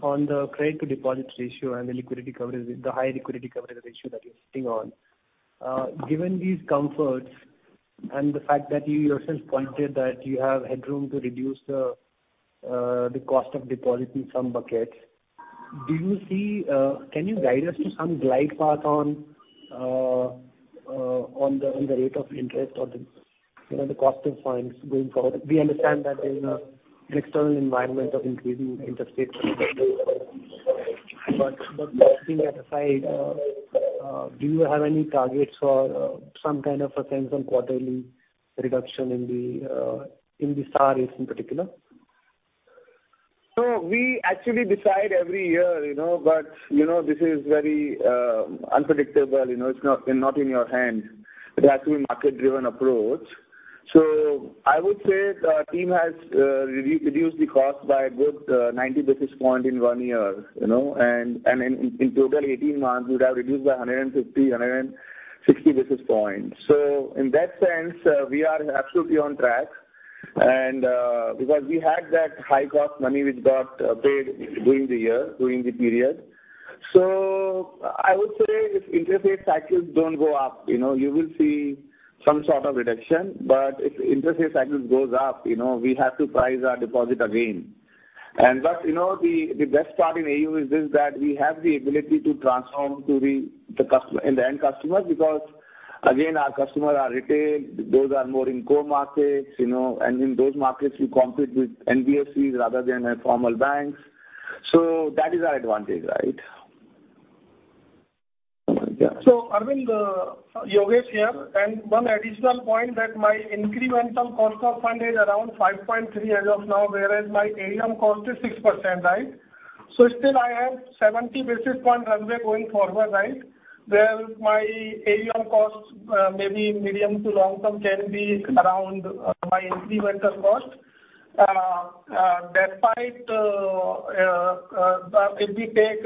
on the credit to deposit ratio and the liquidity coverage, the high liquidity coverage ratio that you're sitting on. Given these comforts and the fact that you yourself pointed that you have headroom to reduce the cost of deposit in some buckets, can you guide us to some glide path on the rate of interest or the, you know, the cost of funds going forward? We understand that there's an external environment of increasing interest rates. Keeping that aside, do you have any targets for some kind of a sense on quarterly reduction in the SARs in particular? We actually decide every year, you know. You know, this is very unpredictable. You know, it's not in your hand. It has to be market-driven approach. I would say the team has reduced the cost by a good 90 basis points in one year, you know, and in total 18 months we would have reduced by 150-160 basis points. In that sense, we are absolutely on track because we had that high-cost money which got paid during the period. I would say if interest rate cycles don't go up, you know, you will see some sort of reduction. If interest rate cycles goes up, you know, we have to price our deposit again. You know, the best part in AU is this, that we have the ability to transform to the customer in the end customer because again, our customer are retail. Those are more in core markets, you know, and in those markets we compete with NBFCs rather than a formal banks. That is our advantage, right? Arvind, Yogesh here. One additional point that my incremental cost of fund is around 5.3 as of now, whereas my ALM cost is 6%, right? Still I have 70 basis point runway going forward, right? Where my ALM costs maybe medium to long term can be around my incremental cost. If we take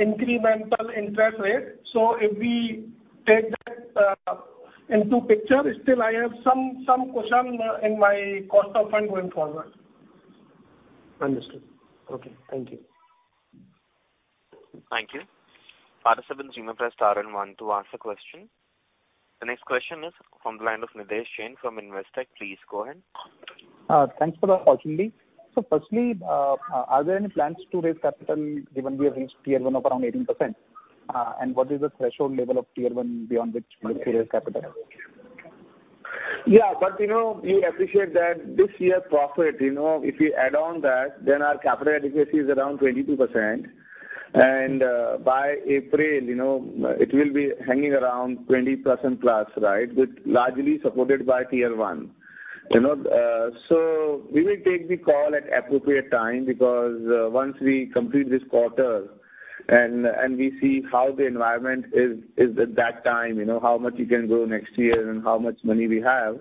incremental interest rate, so if we take that into picture, still I have some cushion in my cost of fund going forward. Understood. Okay. Thank you. Thank you. The next question is from the line of Nidhesh Jain from Investec. Please go ahead. Thanks for the opportunity. Firstly, are there any plans to raise capital given we have reached Tier one of around 18%? What is the threshold level of Tier one beyond which you want to raise capital? Yeah. We appreciate that this year's profit, you know, if we add on that, then our capital adequacy is around 22%. By April, you know, it will be hanging around 20%+, right, with largely supported by Tier one. You know, we will take the call at appropriate time because once we complete this quarter and we see how the environment is at that time, you know, how much we can grow next year and how much money we have.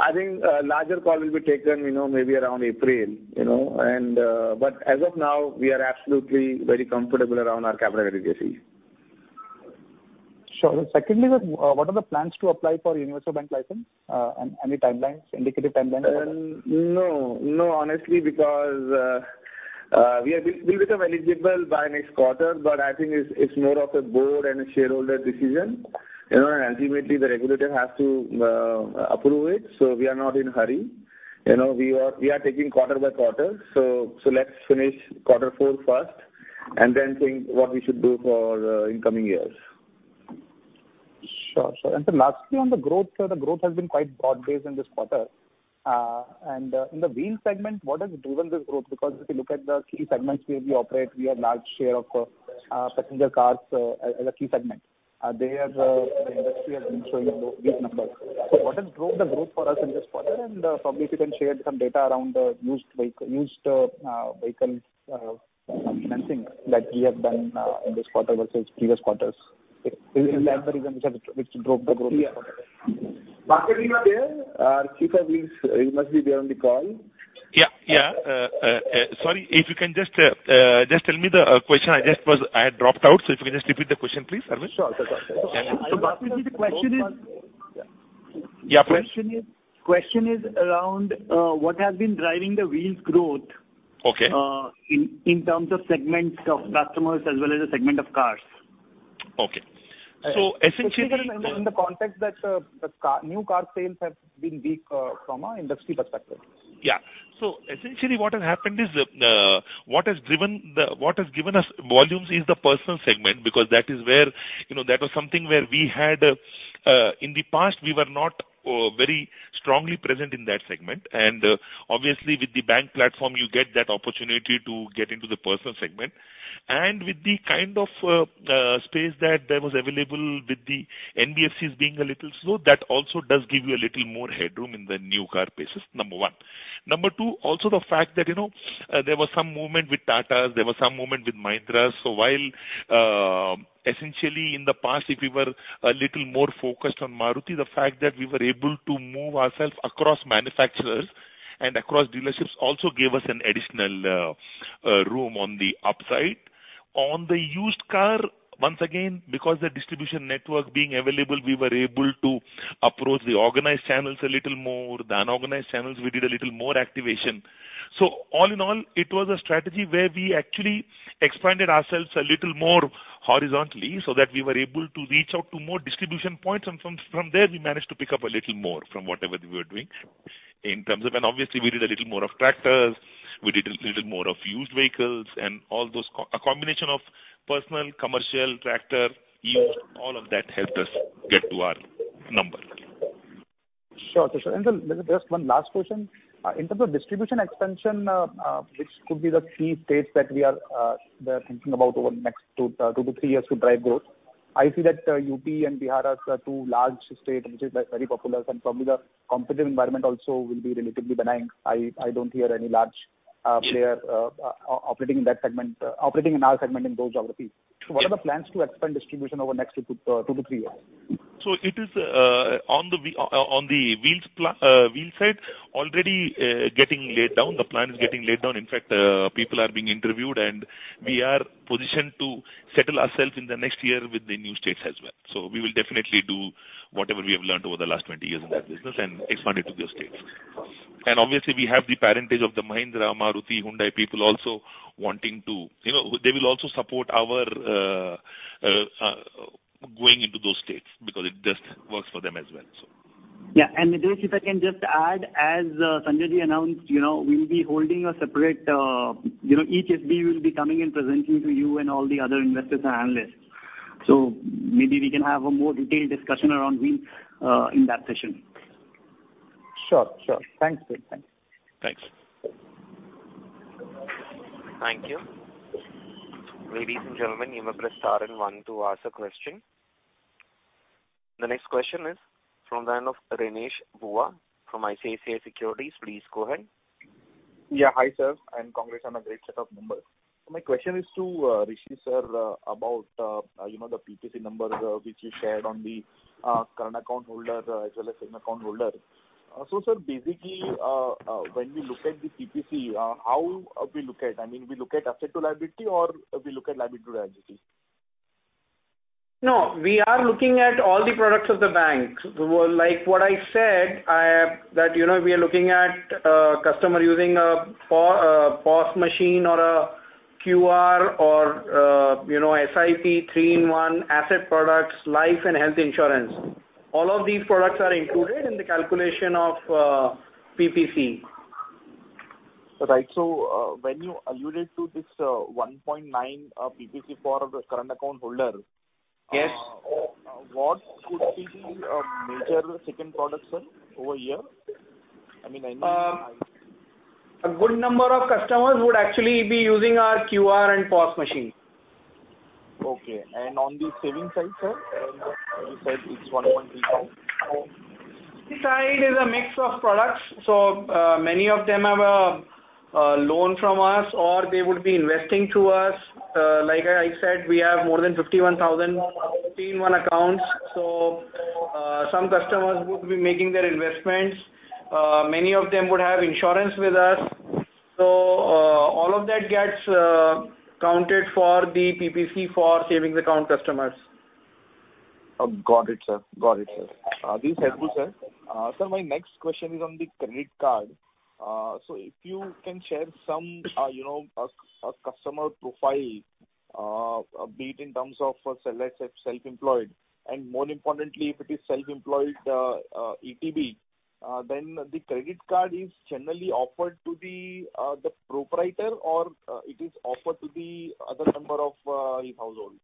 I think a larger call will be taken, you know, maybe around April, you know. As of now, we are absolutely very comfortable around our capital adequacy. Sure. Secondly, what are the plans to apply for universal bank license, and any timelines, indicative timelines? No, honestly, because we'll become eligible by next quarter, but I think it's more of a board and a shareholder decision, you know, and ultimately the regulator has to approve it. We are not in hurry. You know, we are taking quarter by quarter. Let's finish quarter four first and then think what we should do in coming years. Sure. On the growth, sir, the growth has been quite broad-based in this quarter. In the Wheels segment, what has driven this growth? Because if you look at the key segments where we operate, we have large share of passenger cars as a key segment. There, the industry has been showing low-weak numbers. What has drove the growth for us in this quarter? Probably if you can share some data around used vehicle financing that we have done in this quarter versus previous quarters. Is that the reason which drove the growth? Bhaskar Karkera is there? Our CFO is there. He must be there on the call. Yeah. Sorry, if you can just tell me the question. I had dropped out, so if you can just repeat the question, please, Arvind. Sure. Bhaskar, the question is. Question is around what has been driving the Wheels growth? In terms of segments of customers as well as the segment of cars. Essentially. In the context that new car sales have been weak from an industry perspective. Yeah. Essentially what has happened is, what has given us volumes is the personal segment, because that is where, you know, that was something where we had, in the past, we were not very strongly present in that segment. Obviously with the bank platform, you get that opportunity to get into the personal segment. With the kind of space that was available with the NBFCs being a little slow, that also does give you a little more headroom in the new car space. Number one. Number two, also the fact that, you know, there was some movement with Tatas, there was some movement with Mahindras. While, essentially in the past, if we were a little more focused on Maruti, the fact that we were able to move ourselves across manufacturers and across dealerships also gave us an additional room on the upside. On the used car, once again, because the distribution network being available, we were able to approach the organized channels a little more. The unorganized channels, we did a little more activation. All in all, it was a strategy where we actually expanded ourselves a little more horizontally so that we were able to reach out to more distribution points. From there, we managed to pick up a little more from whatever we were doing in terms of. Obviously we did a little more of tractors, we did a little more of used vehicles and all those, a combination of personal, commercial, tractor, used, all of that helped us get to our number. Just one last question. In terms of distribution expansion, which could be the key states that we are thinking about over the next two to three years to drive growth. I see that UP and Bihar are two large states which is very popular and probably the competitive environment also will be relatively benign. I don't hear any large player operating in that segment operating in our segment in those geographies. What are the plans to expand distribution over next two to three years? It is on the Wheels side already getting laid down. The plan is getting laid down. In fact, people are being interviewed and we are positioned to settle ourselves in the next year with the new states as well. We will definitely do whatever we have learned over the last 20 years in that business and expand it to those states. Obviously we have the patronage of the Mahindra, Maruti, Hyundai people also wanting to, you know, they will also support our going into those states because it just works for them as well. Nidhesh, if I can just add, as Sanjay announced, you know, we will be holding a separate, you know, each SBU will be coming and presenting to you and all the other investors and analysts. Maybe we can have a more detailed discussion around Wheels in that session. Sure. Thanks. Thanks. Thank you. Ladies and gentlemen, you may press star and one to ask a question. The next question is from the line of Renish Bhuva from ICICI Securities. Please go ahead. Hi, sir. I'm Congress. I'm a great set of members. My question is to Rishi, sir, about, you know, the PPC number, which you shared on the current account holder as well as savings account holder. Sir, basically, when we look at the PPC, how we look at, I mean, we look at asset to liability or we look at liability to liability? No, we are looking at all the products of the bank. Well, like what I said, you know, we are looking at customer using a PO, POS machine or a QR or, you know, SIP three-in-one asset products, life and health insurance. All of these products are included in the calculation of PPC. When you alluded to this, 1.9 PPC for the current account holder. Yes. What could be the major second product, sir, over here? I mean. A good number of customers would actually be using our QR and POS machine. Okay. On the savings side, sir? You said it's 1.35. This side is a mix of products. Many of them have loan from us or they would be investing through us. Like I said, we have more than 51,000 in 01 accounts. Some customers would be making their investments. Many of them would have insurance with us. All of that gets counted for the PPC for savings account customers. Oh, got it, sir. This is helpful, sir. Sir, my next question is on the credit card. If you can share some, you know, a customer profile, be it in terms of, let's say self-employed and more importantly, if it is self-employed, ETB, then the credit card is generally offered to the proprietor or it is offered to the other member of his household.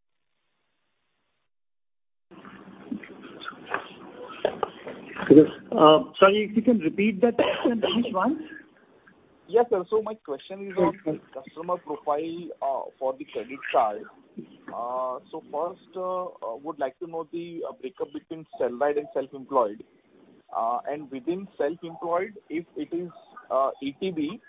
Sorry, if you can repeat that question, Renish. Yes, sir. My question is on the customer profile for the credit card. First, I would like to know the breakup between salaried and self-employed. Within self-employed, if it is ETB,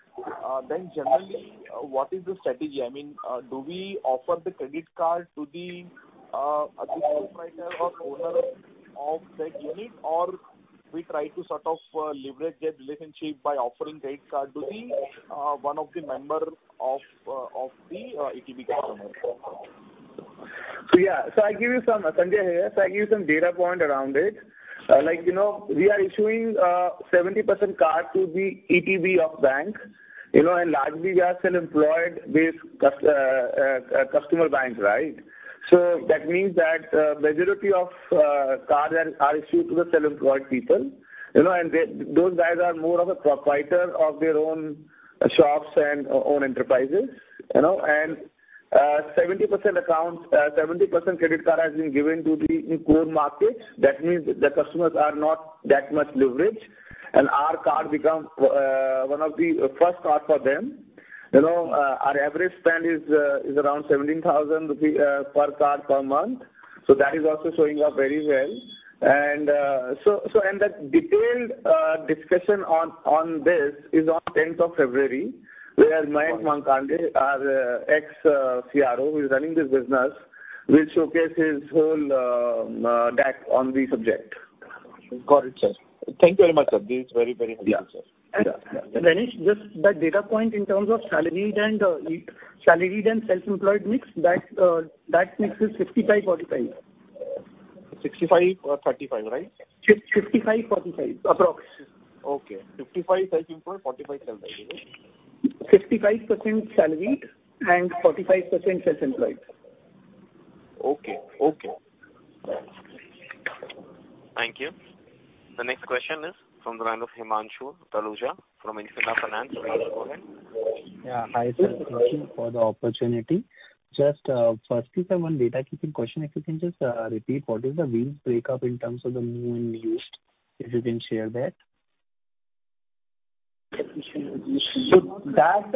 then generally what is the strategy? I mean, do we offer the credit card to the proprietor or owner of that unit? Or we try to sort of leverage that relationship by offering credit card to the one of the member of the ETB customer. Yeah. Sanjay here. I'll give you some data point around it. Like, you know, we are issuing 70% card to the ETB of bank. You know, and largely we are self-employed base customer bank, right? That means that majority of card are issued to the self-employed people. You know, and they, those guys are more of a proprietor of their own shops and own enterprises. You know, and 70% accounts, 70% credit card has been given to the core markets. That means the customers are not that much leveraged. And our card become one of the first card for them. You know, our average spend is around 17,000 per card per month. That is also showing up very well. The detailed discussion on this is on tenth of February, where Mayank Markanday, our ex-CRO, who is running this business, will showcase his whole deck on the subject. Got it, sir. Thank you very much, sir. This is very, very helpful, sir. Yeah. Renish, just that data point in terms of salaried and self-employed mix, that mix is 55-45. 65 or 35, right? 55, 45, approx. Okay. 55 self-employed, 45 salaried, okay. 55% salaried and 45% self-employed. Okay. Okay. Thank you. The next question is from the line of Himanshu Taluja from Infina Finance. Please go ahead. Yeah. Hi, sir. Thank you for the opportunity. Just, firstly, sir, one data-seeking question, if you can just repeat what is the Wheels breakup in terms of the new and used, if you can share that. That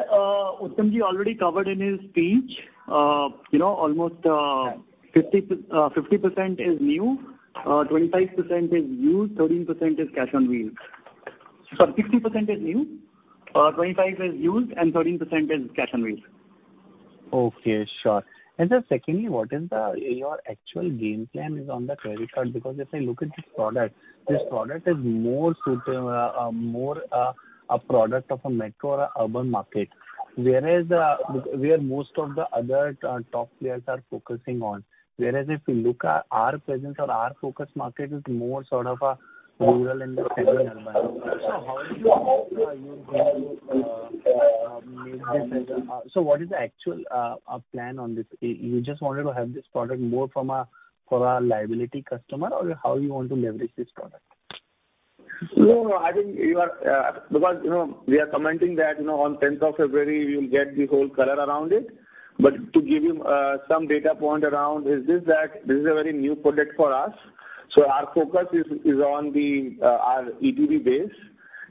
Uttam already covered in his speech. You know, almost 50% is new, 25% is used, 13% is Cash on Wheels. Sorry, 60% is new, 25% is used, and 13% is Cash on Wheels. Okay. Sure. Just secondly, what is your actual game plan on the credit card? Because if I look at this product, this product is more suitable, more a product of a metro or urban market. Whereas where most of the other top players are focusing on. Whereas if you look at our presence or our focus market is more sort of rural and semi-urban. So what is the actual plan on this? You just wanted to have this product more from a for a liability customer or how you want to leverage this product? No, no. I think you are, because, you know, we are commenting that, you know, on tenth of February you'll get the whole color around it. To give you some data point around is this that this is a very new product for us, so our focus is on our ETB base.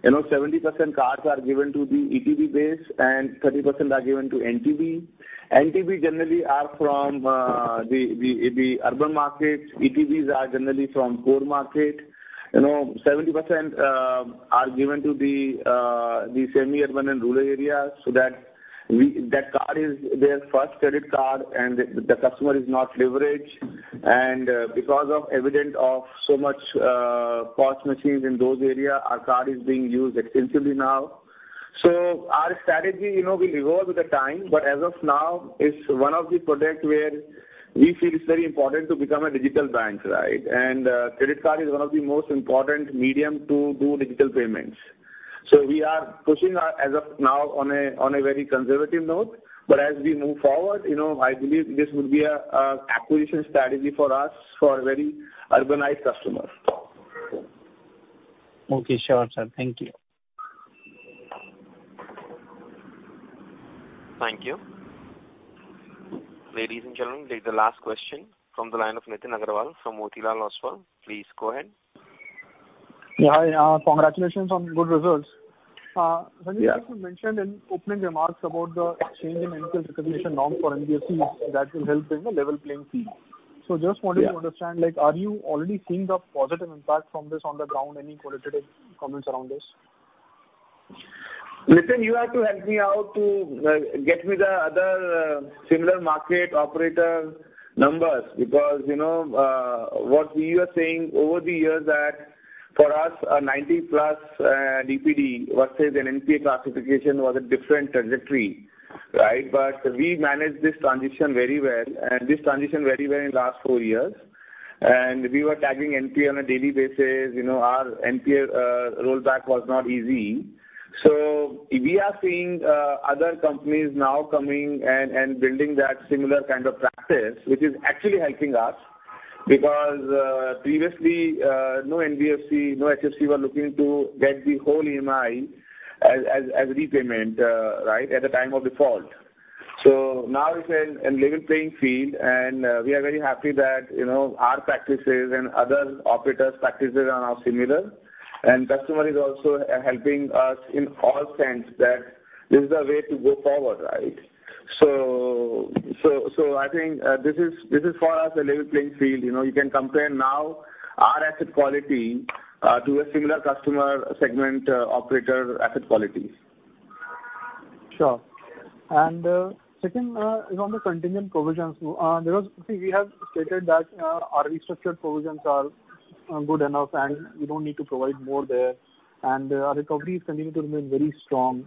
You know, 70% cards are given to the ETB base and 30% are given to NTB. NTB generally are from the urban markets. ETBs are generally from core market. You know, 70% are given to the semi-urban and rural areas, so that card is their first credit card and the customer is not leveraged. Because of the advent of so many POS machines in those areas, our card is being used extensively now. Our strategy, you know, we evolve with the time, but as of now it's one of the product where we feel it's very important to become a digital bank, right? Credit card is one of the most important medium to do digital payments. We are pushing our, as of now on a very conservative note. As we move forward, you know, I believe this will be a acquisition strategy for us for very urbanized customers. Okay, sure, sir. Thank you. Thank you. Ladies and gentlemen, take the last question from the line of Nitin Aggarwal from Motilal Oswal. Please go ahead. Yeah. Hi. Congratulations on good results. Sanjay, you mentioned in opening remarks about the change in retail recognition norm for NBFCs that will help in the level playing field. Just wanted to understand, like, are you already seeing the positive impact from this on the ground? Any qualitative comments around this? Nitin, you have to help me out to get me the other similar market operator numbers because, you know, what we are saying over the years that for us, 90+ DPD versus an NPA classification was a different trajectory, right? We managed this transition very well in last four years. We were tagging NPA on a daily basis. You know, our NPA rollback was not easy. We are seeing other companies now coming and building that similar kind of practice, which is actually helping us because previously, no NBFC, no HFC were looking to get the whole EMI as repayment right, at the time of default. Now it's a level playing field and we are very happy that, you know, our practices and other operators' practices are now similar. Customer is also helping us in all sense that this is the way to go forward, right? I think this is for us a level playing field. You know, you can compare now our asset quality to a similar customer segment operator asset qualities. Sure. Second is on the contingent provisions. I think we have stated that our restructured provisions are good enough, and we don't need to provide more there. Our recovery is continuing to remain very strong.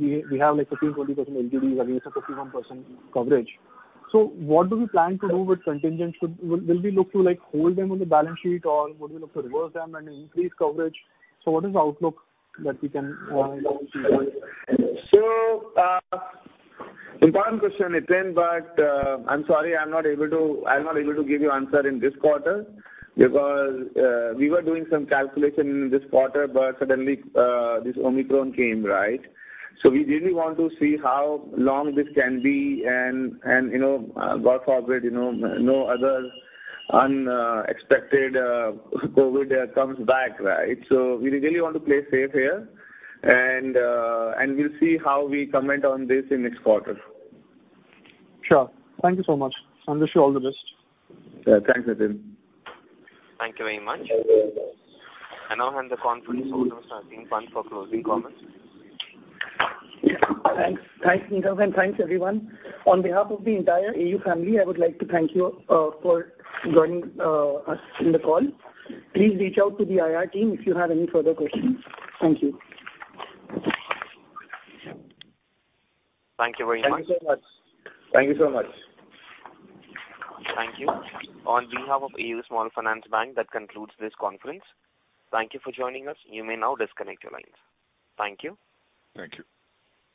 We have, like, 15%-20% LGDs against a 51% coverage. What do we plan to do with contingents? Will we look to, like, hold them on the balance sheet or would we look to reverse them and increase coverage? What is the outlook that we can see there? Important question, Nitin, but I'm sorry, I'm not able to give you answer in this quarter because we were doing some calculation in this quarter, but suddenly this Omicron came, right? We really want to see how long this can be and, you know, God forbid, you know, no other unexpected COVID comes back, right? We really want to play safe here and we'll see how we comment on this in next quarter. Sure. Thank you so much. Sanjay, you all the best. Yeah, thanks, Nitin. Thank you very much. I now hand the conference over to Aseem Pant for closing comments. Thanks. Thanks, Nitin. Thanks, everyone. On behalf of the entire AU family, I would like to thank you for joining us in the call. Please reach out to the IR team if you have any further questions. Thank you. Thank you very much. Thank you so much. Thank you. On behalf of AU Small Finance Bank, that concludes this conference. Thank you for joining us. You may now disconnect your lines. Thank you. Thank you.